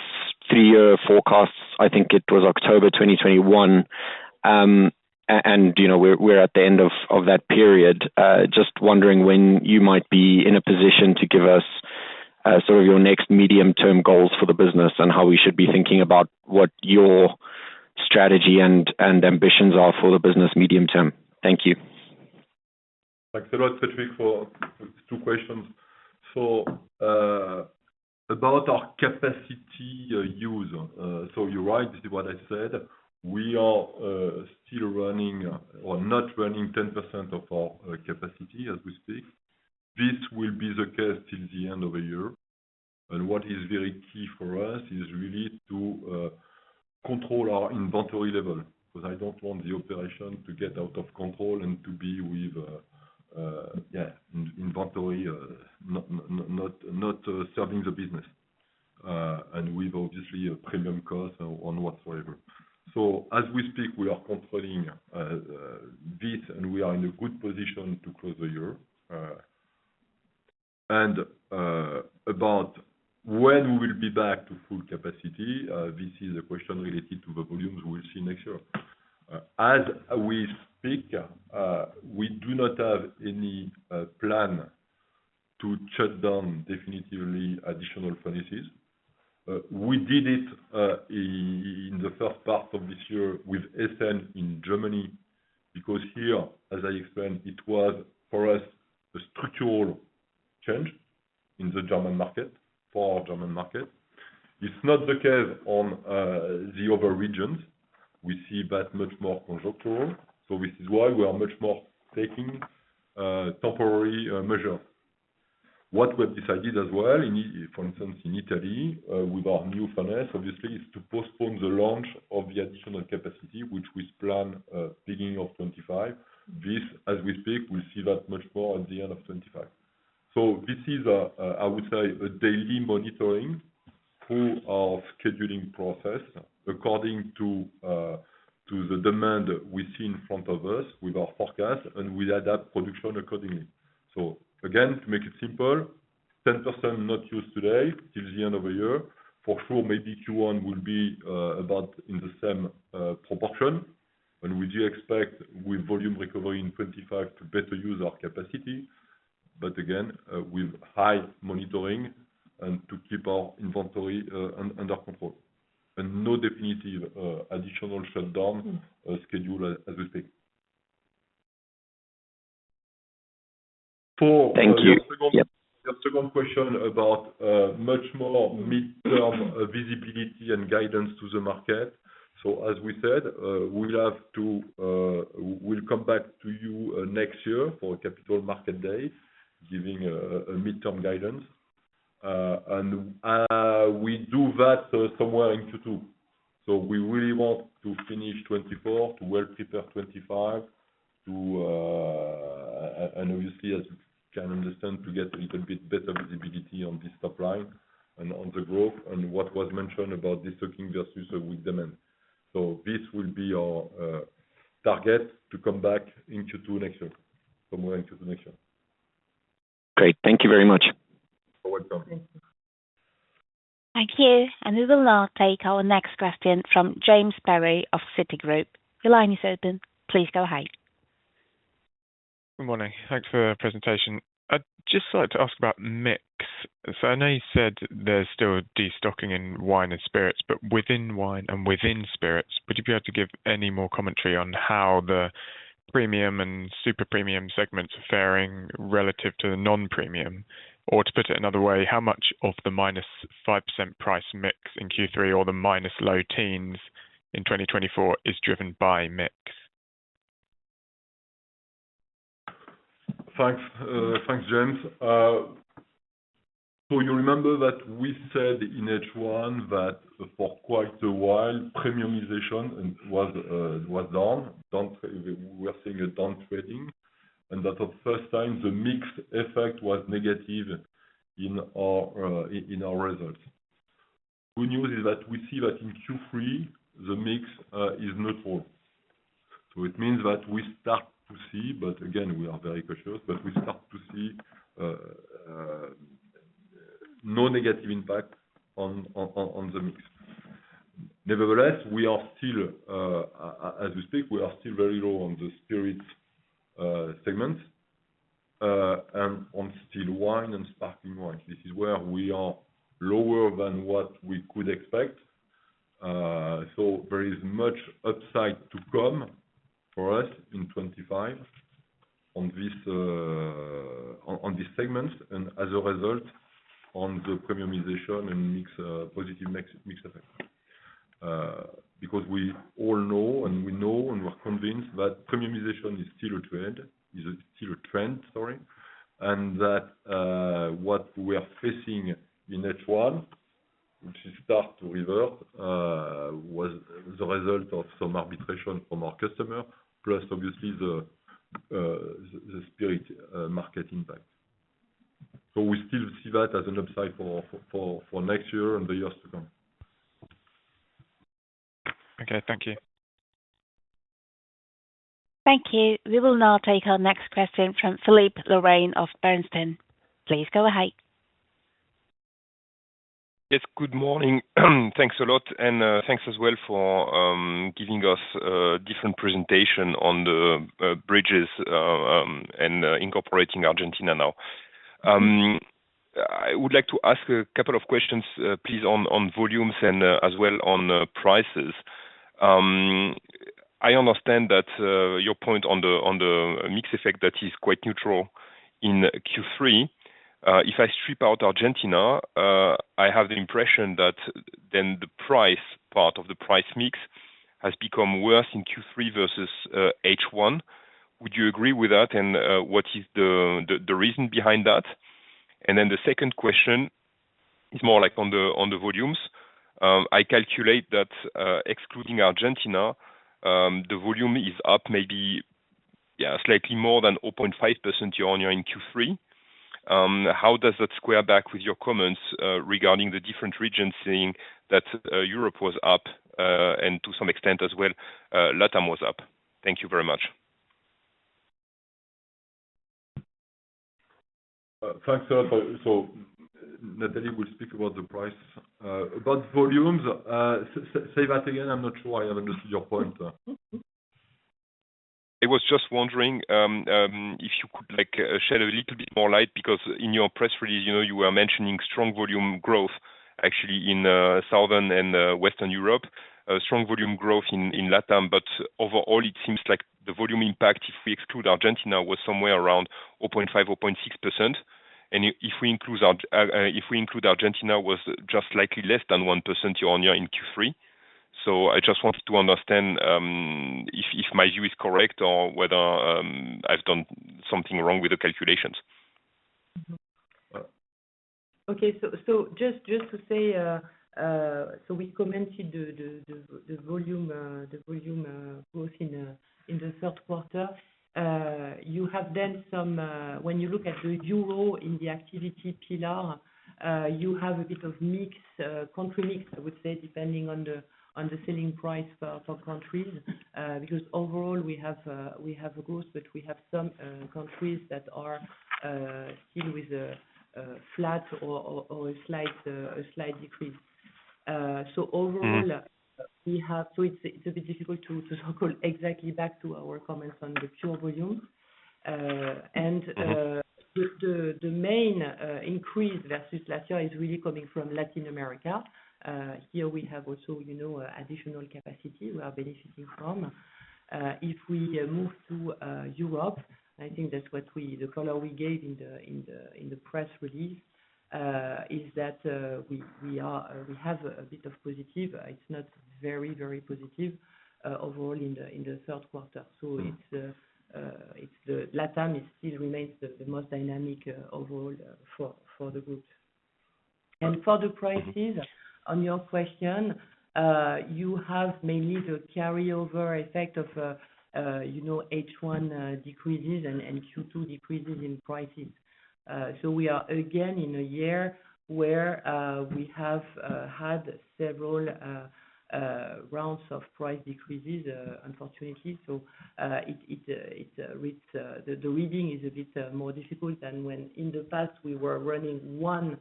three-year forecasts, I think it was October 2021. You know, we're at the end of that period. Just wondering when you might be in a position to give us sort of your next medium-term goals for the business and how we should be thinking about what your strategy and ambitions are for the business medium term? Thank you. Thanks a lot, Patrick, for two questions. So, about our capacity use. So you're right, this is what I said. We are still running or not running 10% of our capacity as we speak. This will be the case till the end of the year. And what is very key for us is really to control our inventory level, because I don't want the operation to get out of control and to be with, yeah, in inventory not serving the business. And with obviously a premium cost on whatsoever. So as we speak, we are controlling this, and we are in a good position to close the year. And about when we will be back to full capacity, this is a question related to the volumes we will see next year. As we speak, we do not have any plan to shut down definitively additional furnaces. We did it in the first part of this year with Essen in Germany, because here, as I explained, it was for us a structural change in the German market, for our German market. It's not the case on the other regions. We see that much more contractual, so this is why we are much more taking temporary measure. What we've decided as well, in for instance, in Italy, with our new furnace obviously, is to postpone the launch of the additional capacity, which we plan beginning of 2025. This, as we speak, we'll see that much more at the end of 2025. So this is a, I would say, a daily monitoring through our scheduling process, according to, to the demand we see in front of us with our forecast, and we adapt production accordingly. So again, to make it simple, 10% not used today till the end of the year. For sure, maybe Q1 will be, about in the same, proportion, and we do expect with volume recovery in 2025 to better use our capacity, but again, with high monitoring and to keep our inventory, under control. And no definitive, additional shutdown, schedule as we speak. Thank you. The second question about much more midterm visibility and guidance to the market. So as we said, we'll have to come back to you next year for capital market day, giving a midterm guidance. And we do that somewhere in Q2. So we really want to finish 2024, to well prepare 2025 to, and obviously, as you can understand, to get a little bit better visibility on this top line and on the growth and what was mentioned about destocking versus a weak demand. So this will be our target to come back in Q2 next year, somewhere in Q2 next year. Great. Thank you very much. You're welcome. Thank you. And we will now take our next question from James Perry of Citigroup. Your line is open. Please go ahead. Good morning. Thanks for the presentation. I'd just like to ask about mix. So I know you said there's still destocking in wine and spirits, but within wine and within spirits, would you be able to give any more commentary on how the premium and super premium segments are faring relative to the non-premium? Or to put it another way, how much of the -5% price mix in Q3 or the minus low teens in 2024 is driven by mix? Thanks, James. So you remember that we said in H1 that for quite a while, premiumization and was, was down. Down, we are seeing a down trading, and that the first time the mix effect was negative in our, in our results. Good news is that we see that in Q3, the mix is neutral. So it means that we start to see, but again, we are very cautious, but we start to see no negative impact on the mix. Nevertheless, we are still, as we speak, we are still very low on the spirit segment, and on still wine and sparkling wine. This is where we are lower than what we could expect. So there is much upside to come for us in 2025 on this segment, and as a result on the premiumization and mix, positive mix effect. Because we all know, and we're convinced that premiumization is still a trend, sorry. And that what we are facing in H1, which is start to revert, was the result of some arbitration from our customer, plus obviously the spirits market impact. So we still see that as an upside for next year and the years to come. Okay, thank you. Thank you. We will now take our next question from Philippe Lorrain of Bernstein. Please go ahead. Yes, good morning. Thanks a lot, and thanks as well for giving us different presentation on the bridges, and incorporating Argentina now. I would like to ask a couple of questions, please, on volumes and as well on prices. I understand that your point on the mix effect, that is quite neutral in Q3. If I strip out Argentina, I have the impression that then the price part of the price mix has become worse in Q3 versus H1. Would you agree with that? And what is the reason behind that? And then the second question is more like on the volumes. I calculate that excluding Argentina, the volume is up maybe, yeah, slightly more than 0.5% year-on-year in Q3. How does that square back with your comments regarding the different regions, saying that Europe was up and to some extent as well LATAM was up? Thank you very much. Thanks, sir. So Nathalie will speak about the price. About volumes, say that again. I'm not sure I understood your point. I was just wondering, if you could, like, shed a little bit more light, because in your press release, you know, you were mentioning strong volume growth, actually in Southern and Western Europe. Strong volume growth in LATAM, but overall it seems like the volume impact, if we exclude Argentina, was somewhere around 0.5%-0.6%, and if we include Argentina, was just likely less than 1% year-on-year in Q3. So I just wanted to understand, if my view is correct or whether I've done something wrong with the calculations. Okay. So just to say, so we commented the volume growth in the third quarter. You have then some. When you look at Europe in the activity pillar, you have a bit of mix, country mix, I would say, depending on the selling price for countries. Because overall we have a growth, but we have some countries that are still with a flat or a slight decrease. So overall- We have, so it's a bit difficult to circle exactly back to our comments on the pure volume. The main increase versus last year is really coming from Latin America. Here we have also, you know, additional capacity we are benefiting from. If we move to Europe, I think that's the color we gave in the press release is that we have a bit of positive. It's not very positive overall in the third quarter. So it's the LATAM. It still remains the most dynamic overall for the group. And for the prices, on your question, you have mainly the carryover effect of, you know, H1 decreases and Q2 decreases in prices. So we are again in a year where we have had several rounds of price decreases, unfortunately. So it reads. The reading is a bit more difficult than when in the past we were running one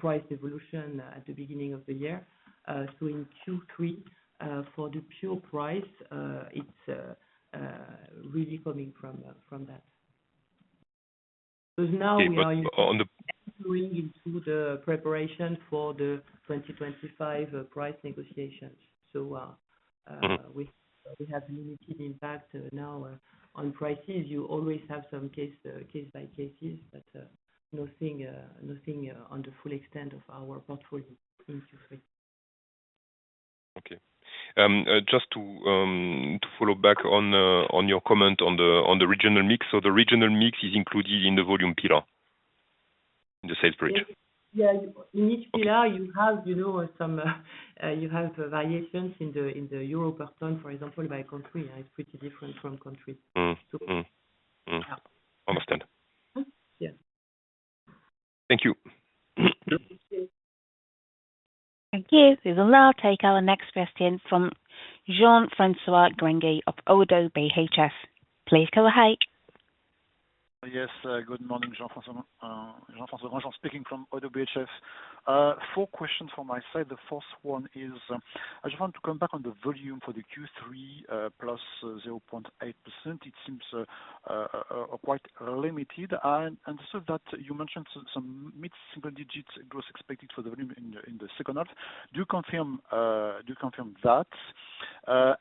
price evolution at the beginning of the year. So in Q3 for the pure price it's really coming from that, from that. 'Cause now we are going into the preparation for the 2025 price negotiations. So, we have limited impact now on prices. You always have some case by case, but nothing on the full extent of our portfolio in Q3. Okay. Just to follow back on your comment on the regional mix. So the regional mix is included in the volume pillar, in the sales pitch? Yeah, in each pillar- you have, you know, some, you have variations in the, in the euro per ton, for example, by country. It's pretty different from country. Yeah. Understand. Yeah. Thank you. Thank you. We will now take our next question from Jean-François Granjon of ODDO BHF. Please go ahead. Yes, good morning, Jean-François Granjon speaking from Oddo BHF. Four questions from my side. The first one is, I just want to come back on the volume for the Q3, +0.8%. It seems quite limited. And so that you mentioned some mid-single digits growth expected for the volume in the second half. Do you confirm that?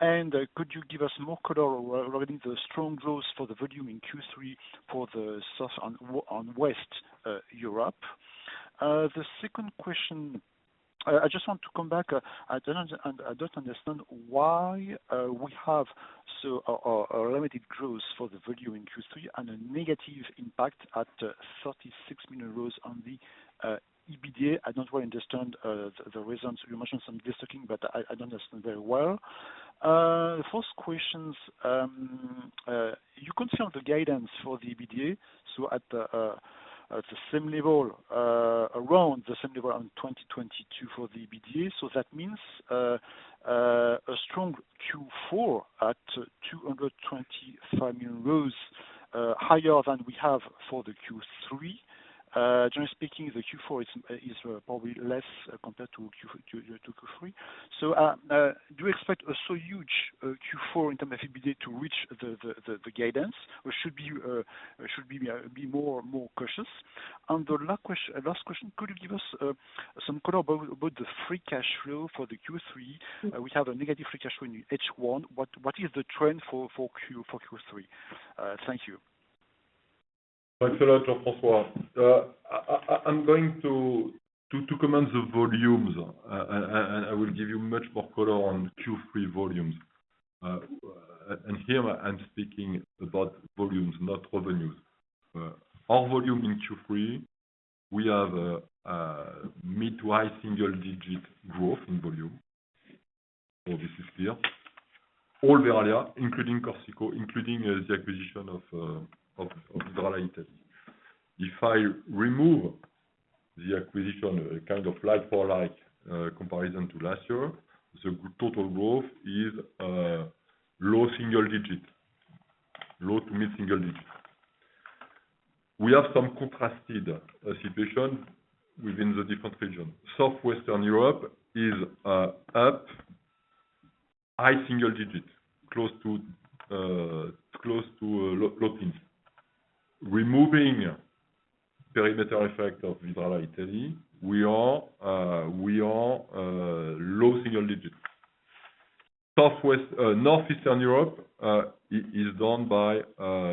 And could you give us more color regarding the strong growth for the volume in Q3 for the Southern and Western Europe? The second question, I just want to come back. I don't understand why we have such a limited growth for the volume in Q3, and a negative impact at 36 million euros on the EBITDA. I don't really understand the reasons. You mentioned some destocking, but I don't understand very well. The first questions, you confirm the guidance for the EBITDA, so at the same level, around the same level as in 2022 for the EBITDA. So that means a strong Q4 at 225 million euros, higher than we have for the Q3. Generally speaking, the Q4 is probably less compared to Q3. So do you expect a so huge Q4 in terms of EBITDA to reach the guidance? Or should we be more cautious? And the last question, could you give us some color about the free cash flow for the Q3? We have a negative free cash flow in H1. What is the trend for Q3? Thank you. Thanks a lot, Jean-François. I'm going to comment the volumes, and I will give you much more color on Q3 volumes. And here I'm speaking about volumes, not revenues. Our volume in Q3, we have a mid- to high-single-digit growth in volume. So this is clear. All the area, including Corsico, including the acquisition of Vidrala, Italy. If I remove the acquisition, kind of like for like comparison to last year, the total growth is low single digit, low- to mid-single-digit. We have some contrasted situation within the different region. Southwestern Europe is up high single digits, close to low teens. Removing perimeter effect of Vidrala, Italy, we are low single digits. Southern, western, northeastern Europe is down by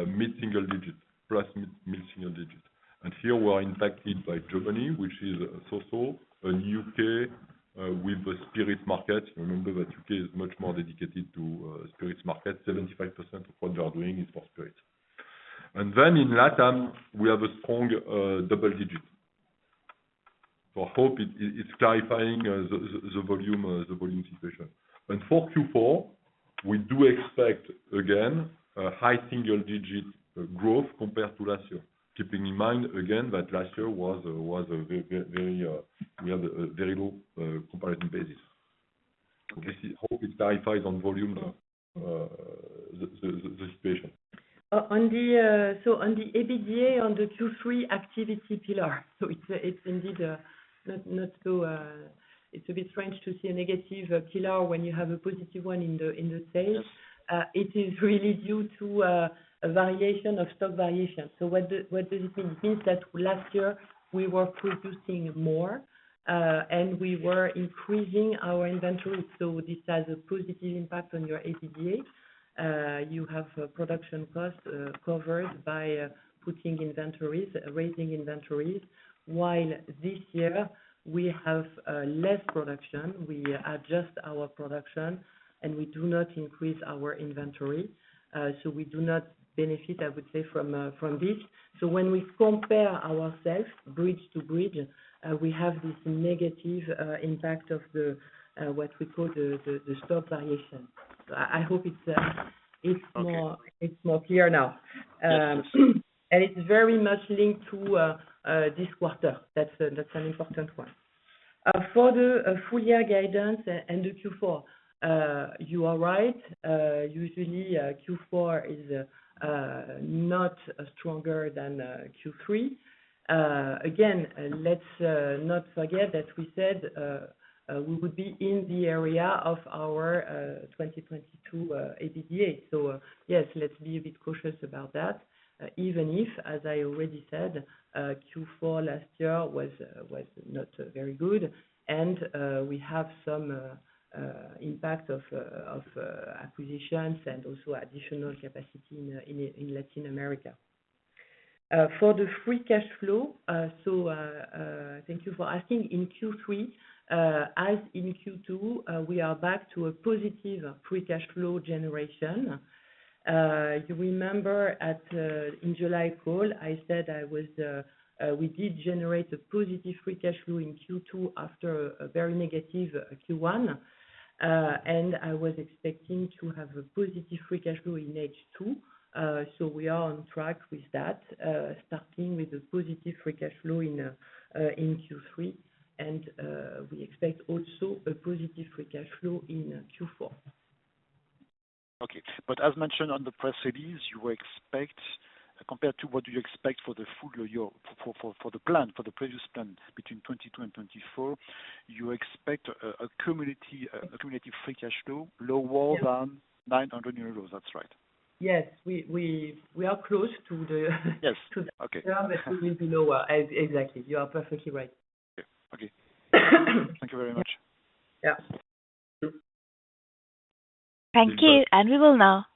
mid-single digit, plus mid-single digit. And here we're impacted by Germany, which is also in U.K., with the spirits market. Remember that U.K. is much more dedicated to spirits market. 75% of what they are doing is for spirits. And then in LATAM, we have a strong double digit. I hope it's clarifying the volume situation. And for Q4, we do expect, again, a high single digit growth compared to last year. Keeping in mind again, that last year was a very low comparison basis. I hope it clarifies the volume situation. On the, so on the EBITDA, on the Q3 Activity pillar, so it's indeed not to, it's a bit strange to see a negative pillar when you have a positive one in the sales. It is really due to a variation of stock variation. So what does it mean? Means that last year we were producing more and we were increasing our inventory, so this has a positive impact on your EBITDA. You have production costs covered by putting inventories, raising inventories, while this year we have less production. We adjust our production, and we do not increase our inventory. So we do not benefit, I would say, from this. So when we compare ourselves bridge to bridge, we have this negative impact of what we call the stock variation. So I hope it's more-'s more clear now. Yes. And it's very much linked to this quarter. That's an important one. For the full year guidance and the Q4, you are right. Usually, Q4 is not stronger than Q3. Again, let's not forget that we said we would be in the area of our 2022 EBITDA. So, yes, let's be a bit cautious about that, even if, as I already said, Q4 last year was not very good, and we have some impact of acquisitions and also additional capacity in Latin America. For the free cash flow, so thank you for asking. In Q3, as in Q2, we are back to a positive free cash flow generation. You remember at, in July call, I said I was, we did generate a positive free cash flow in Q2 after a very negative Q1. And I was expecting to have a positive free cash flow in H2. So we are on track with that, starting with a positive free cash flow in, in Q3. And we expect also a positive free cash flow in Q4. Okay. But as mentioned on the press release, compared to what you expect for the full year, for the plan, for the previous plan between 2022 and 2024, you expect a cumulative free cash flow lower than 900 euros. That's right? Yes. We are close to the - Yes. Okay. to that, but we need to lower. Exactly. You are perfectly right. Okay. Thank you very much. Yeah. Thank you. And we will now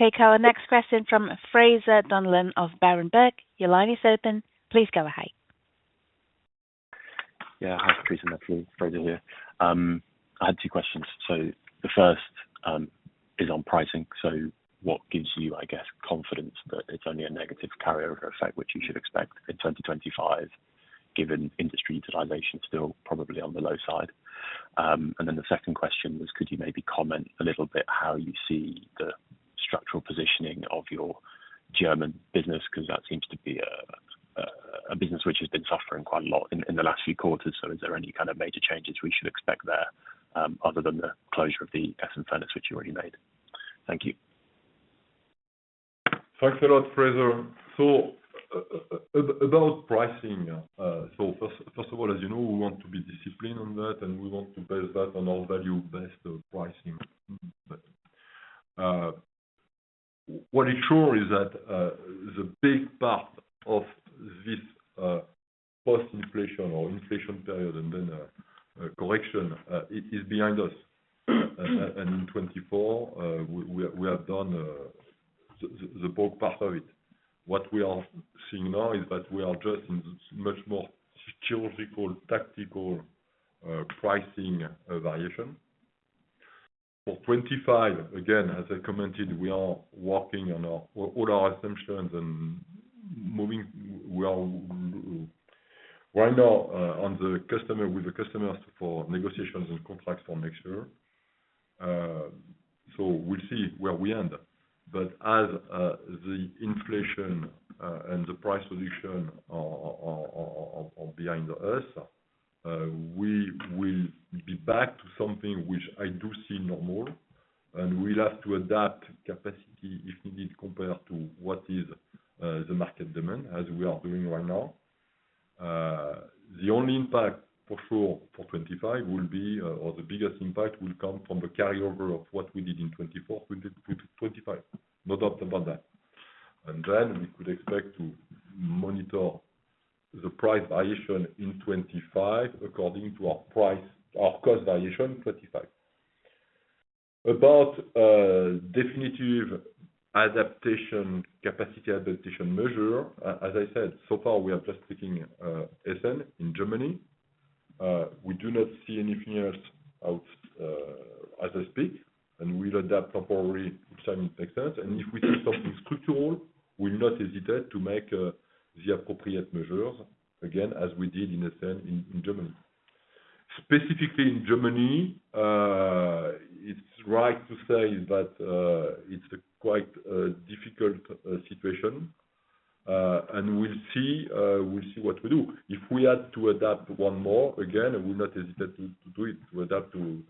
take our next question from Fraser Donlon of Berenberg. Your line is open. Please go ahead. Yeah, hi, Patrice and Nathalie, Fraser here. I had two questions. So the first is on pricing. So what gives you, I guess, confidence that it's only a negative carryover effect, which you should expect in 2025, given industry utilization is still probably on the low side? And then the second question was, could you maybe comment a little bit how you see the structural positioning of your German business? 'Cause that seems to be a business which has been suffering quite a lot in the last few quarters. So is there any kind of major changes we should expect there, other than the closure of the Essen furnace, which you already made? Thank you. Thanks a lot, Fraser. So about pricing, first of all, as you know, we want to be disciplined on that, and we want to base that on our value-based pricing. But what is sure is that the big part of this post inflation or inflation period and then correction it is behind us. And in 2024, we have done the bulk part of it. What we are seeing now is that we are just in much more strategic or tactical pricing variation. For 2025, again, as I commented, we are working on all our assumptions and moving. We are right now on the customer, with the customers for negotiations and contracts for next year. So we'll see where we end up, but as the inflation and the price solution are behind us, we will be back to something which I do see normal. And we'll have to adapt capacity if needed, compared to what is the market demand, as we are doing right now. The only impact for sure, for 2025, will be, or the biggest impact will come from the carryover of what we did in 2024 to 2025. No doubt about that. And then we could expect to monitor the price variation in 2025, according to our price, our cost variation in 2025. About definitive adaptation, capacity adaptation measure, as I said, so far, we are just taking Essen in Germany. We do not see anything else out, as I speak, and we'll adapt temporarily time makes sense. And if we do something structural, we'll not hesitate to make the appropriate measures again, as we did in Essen, in Germany. Specifically in Germany, it's right to say that it's quite a difficult situation. And we'll see what we do. If we had to adapt one more, again, we're not hesitant to do it. We adapt to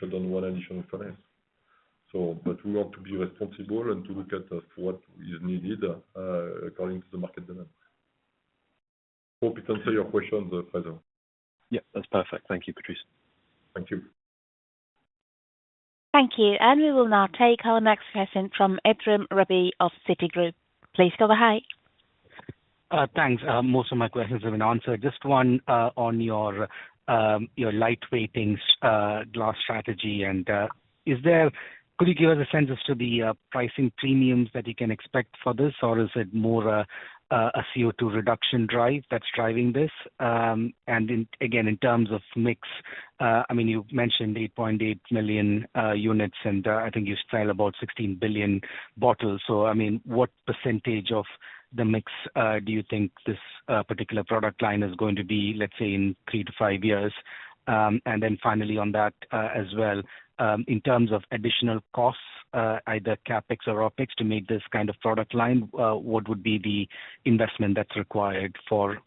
shut down one additional furnace. So but we want to be responsible and to look at what is needed according to the market demand. Hope it answer your questions, Fraser. Yeah, that's perfect. Thank you, Patrice. Thank you. Thank you, and we will now take our next question from Ephrem Ravi of Citigroup. Please go ahead. Thanks. Most of my questions have been answered. Just one on your lightweighting glass strategy. And is there - Could you give us a sense as to the pricing premiums that you can expect for this? Or is it more a CO2 reduction drive that's driving this? And in, again, in terms of mix, I mean, you've mentioned 8.8 million units, and I think you sell about 16 billion bottles. So I mean, what percentage of the mix do you think this particular product line is going to be, let's say, in three to five years? And then finally on that, as well, in terms of additional costs, either CapEx or OpEx to make this kind of product line, what would be the investment that's required for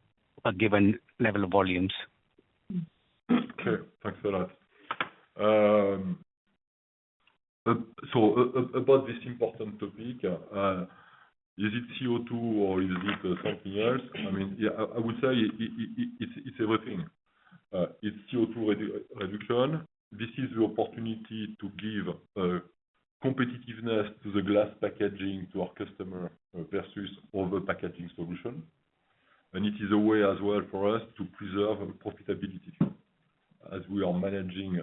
a given level of volumes? Okay, thanks a lot. So about this important topic, is it CO2 or is it something else? I mean, yeah, I would say it's everything. It's CO2 reduction. This is the opportunity to give competitiveness to the glass packaging to our customer versus other packaging solution. And it is a way as well for us to preserve profitability, as we are managing.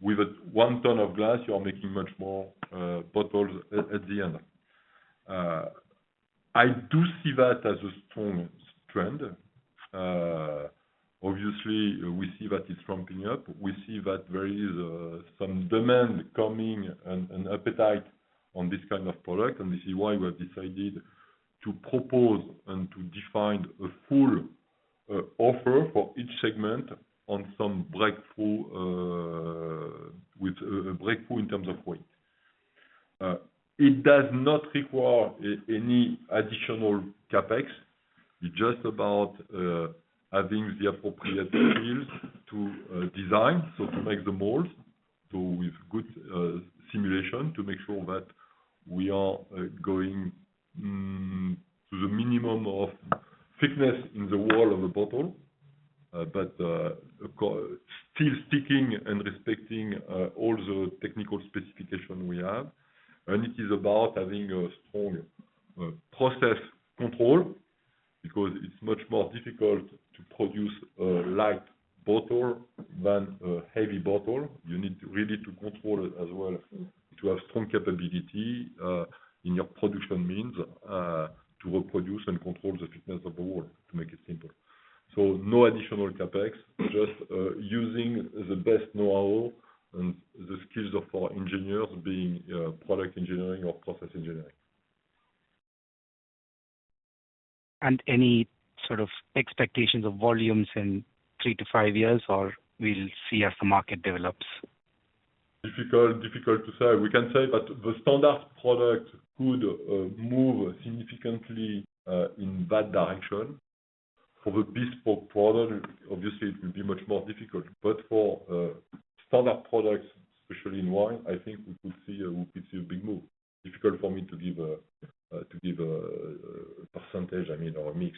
With one ton of glass, you are making much more bottles at the end. I do see that as a strong trend. Obviously, we see that it's ramping up. We see that there is some demand coming and appetite on this kind of product, and this is why we have decided to propose and to define a full offer for each segment on some breakthrough with a breakthrough in terms of weight. It does not require any additional CapEx. It's just about having the appropriate tools to design, so to make the molds. So with good simulation, to make sure that we are going to the minimum of thickness in the wall of the bottle, but still sticking and respecting all the technical specification we have. It is about having a strong process control, because it's much more difficult to produce a light bottle than a heavy bottle. You need really to control it as well, to have strong capability, in your production means, to reproduce and control the thickness of the wall, to make it simpler. So no additional CapEx, just using the best know-how and the skills of our engineers being, product engineering or process engineering. Any sort of expectations of volumes in three to five years, or we'll see as the market develops? Difficult, difficult to say. We can say that the standard product could move significantly in that direction. For the bespoke product, obviously, it will be much more difficult. But for standard products, especially in wine, I think we could see a big move. Difficult for me to give a percentage, I mean, or a mix.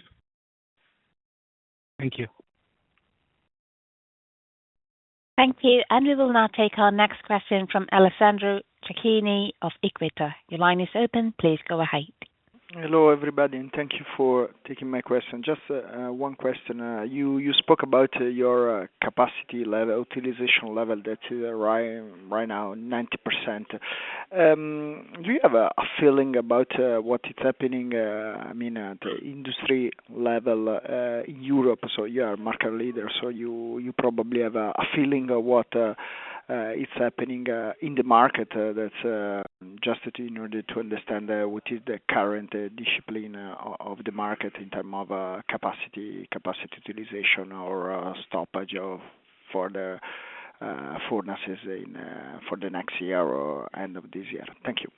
Thank you. Thank you. And we will now take our next question from Alessandro Cecchini of Equita. Your line is open. Please go ahead. Hello, everybody, and thank you for taking my question. Just one question. You spoke about your capacity utilization level that is right now, 90%. Do you have a feeling about what is happening, I mean, at the industry level in Europe? So you are market leader, so you probably have a feeling of what is happening in the market. That's just in order to understand what is the current discipline of the market in terms of capacity utilization or stoppages for the furnaces for the next year or end of this year. Thank you.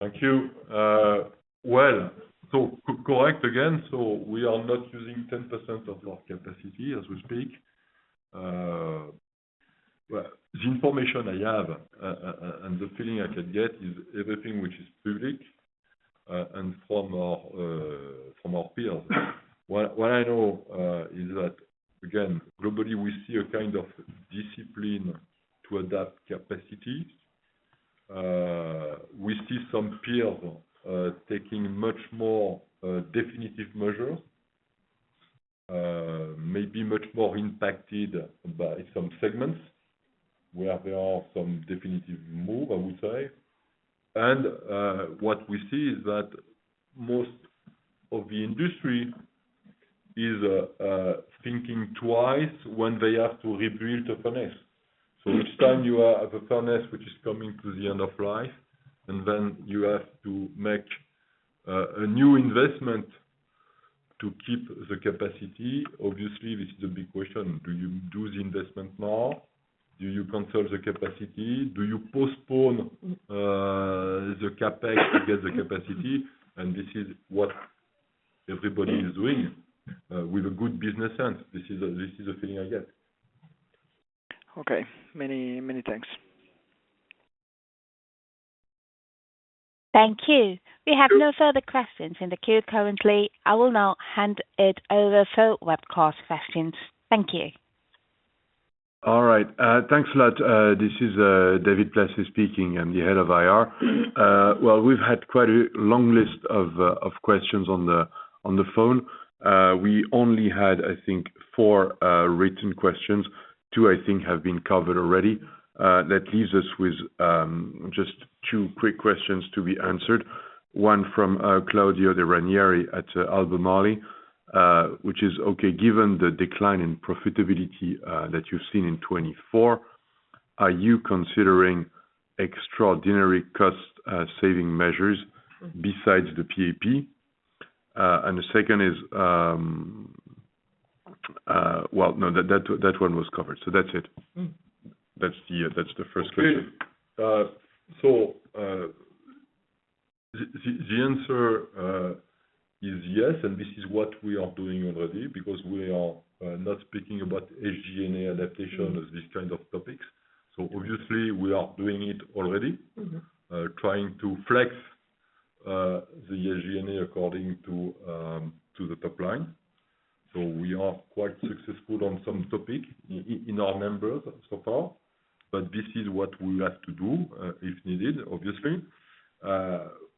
Thank you. Well, so correct again, so we are not using 10% of our capacity as we speak. Well, the information I have, and the feeling I can get is everything which is public, and from our peers. What I know is that, again, globally, we see a kind of discipline to adapt capacity. We see some peers taking much more definitive measures, maybe much more impacted by some segments where there are some definitive move, I would say. What we see is that most of the industry is thinking twice when they have to rebuild a furnace. So each time you have a furnace which is coming to the end of life, and then you have to make a new investment to keep the capacity. Obviously, this is the big question: Do you do the investment now? Do you conserve the capacity? Do you postpone the CapEx to get the capacity? And this is what everybody is doing with a good business sense. This is the, this is the feeling I get. Okay. Many, many thanks. Thank you. We have no further questions in the queue currently. I will now hand it over for webcast questions. Thank you. All right. Thanks a lot. This is David Placet speaking. I'm the head of IR. Well, we've had quite a long list of questions on the phone. We only had, I think, four written questions. Two, I think, have been covered already. That leaves us with just two quick questions to be answered. One from Claudio De Ranieri at Albemarle, which is: "Okay, given the decline in profitability that you've seen in 'twenty-four, are you considering extraordinary cost saving measures besides the PAP?" And the second is, well, no, that one was covered, so that's it. That's the first question. Okay. So, the answer is yes, and this is what we are doing already because we are not speaking about SG&A adaptation or these kinds of topics. So obviously, we are doing it already. Trying to flex the SG&A according to the top line. So we are quite successful on some topics in our markets so far, but this is what we have to do if needed, obviously.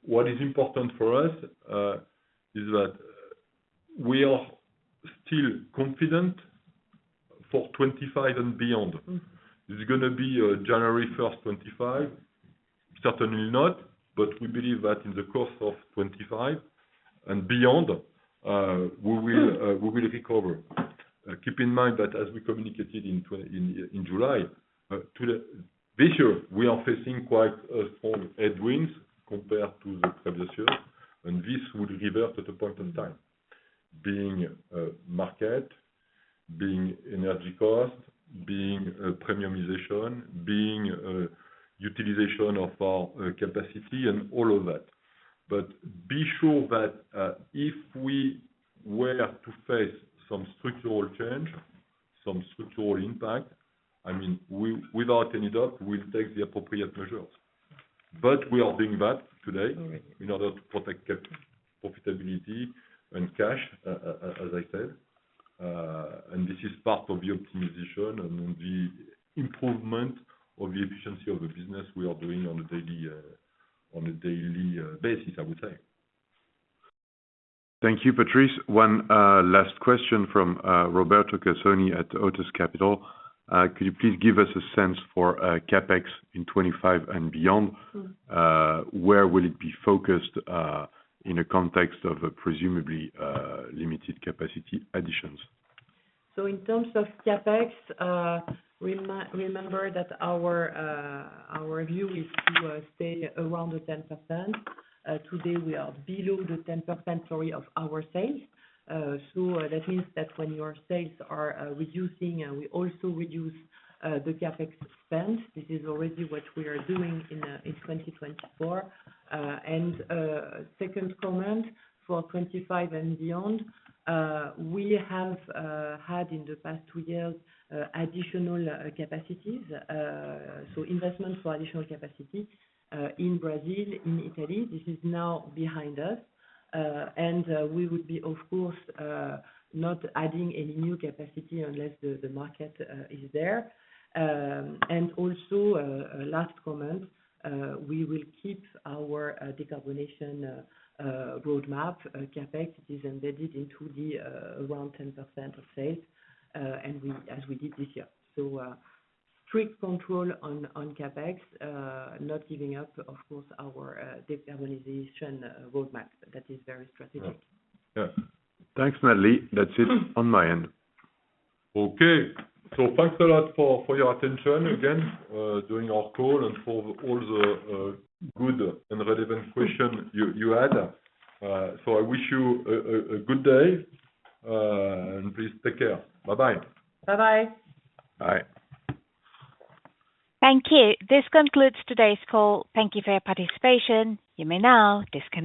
What is important for us is that we are still confident for 2025 and beyond. Is it gonna be January 1st, 2025? Certainly not. But we believe that in the course of 2025 and beyond, we will recover. Keep in mind that as we communicated in July this year, we are facing quite strong headwinds compared to the previous year, and this would revert at a point in time, being market, being energy cost, being premiumization, being utilization of our capacity and all of that. But be sure that if we were to face some structural change, some structural impact, I mean, we without any doubt, we'll take the appropriate measures. But we are doing that today in order to protect profitability and cash, as I said, and this is part of the optimization and the improvement of the efficiency of the business we are doing on a daily basis, I would say. Thank you, Patrice. One last question from Roberto Casoni at Otus Capital: "Could you please give us a sense for CapEx in 2025 and beyond? Where will it be focused, in the context of presumably, limited capacity additions? So in terms of CapEx, remember that our view is to stay around the 10%. Today, we are below the 10% of our sales. So that means that when your sales are reducing, we also reduce the CapEx spend. This is already what we are doing in 2024. And second comment, for 2025 and beyond, we have had in the past two years additional capacities. So investment for additional capacity in Brazil, in Italy, this is now behind us. And we will be, of course, not adding any new capacity unless the market is there. And also, a last comment, we will keep our decarbonization roadmap CapEx. It is embedded into the around 10% of sales, and we, as we did this year. So strict control on CapEx, not giving up, of course, our decarbonization roadmap. That is very strategic. Oh, yeah. Thanks, Nathalie. That's it on my end. Okay. So thanks a lot for your attention again during our call and for all the good and relevant question you had. So I wish you a good day and please take care. Bye-bye. Bye-bye. Bye. Thank you. This concludes today's call. Thank you for your participation. You may now disconnect.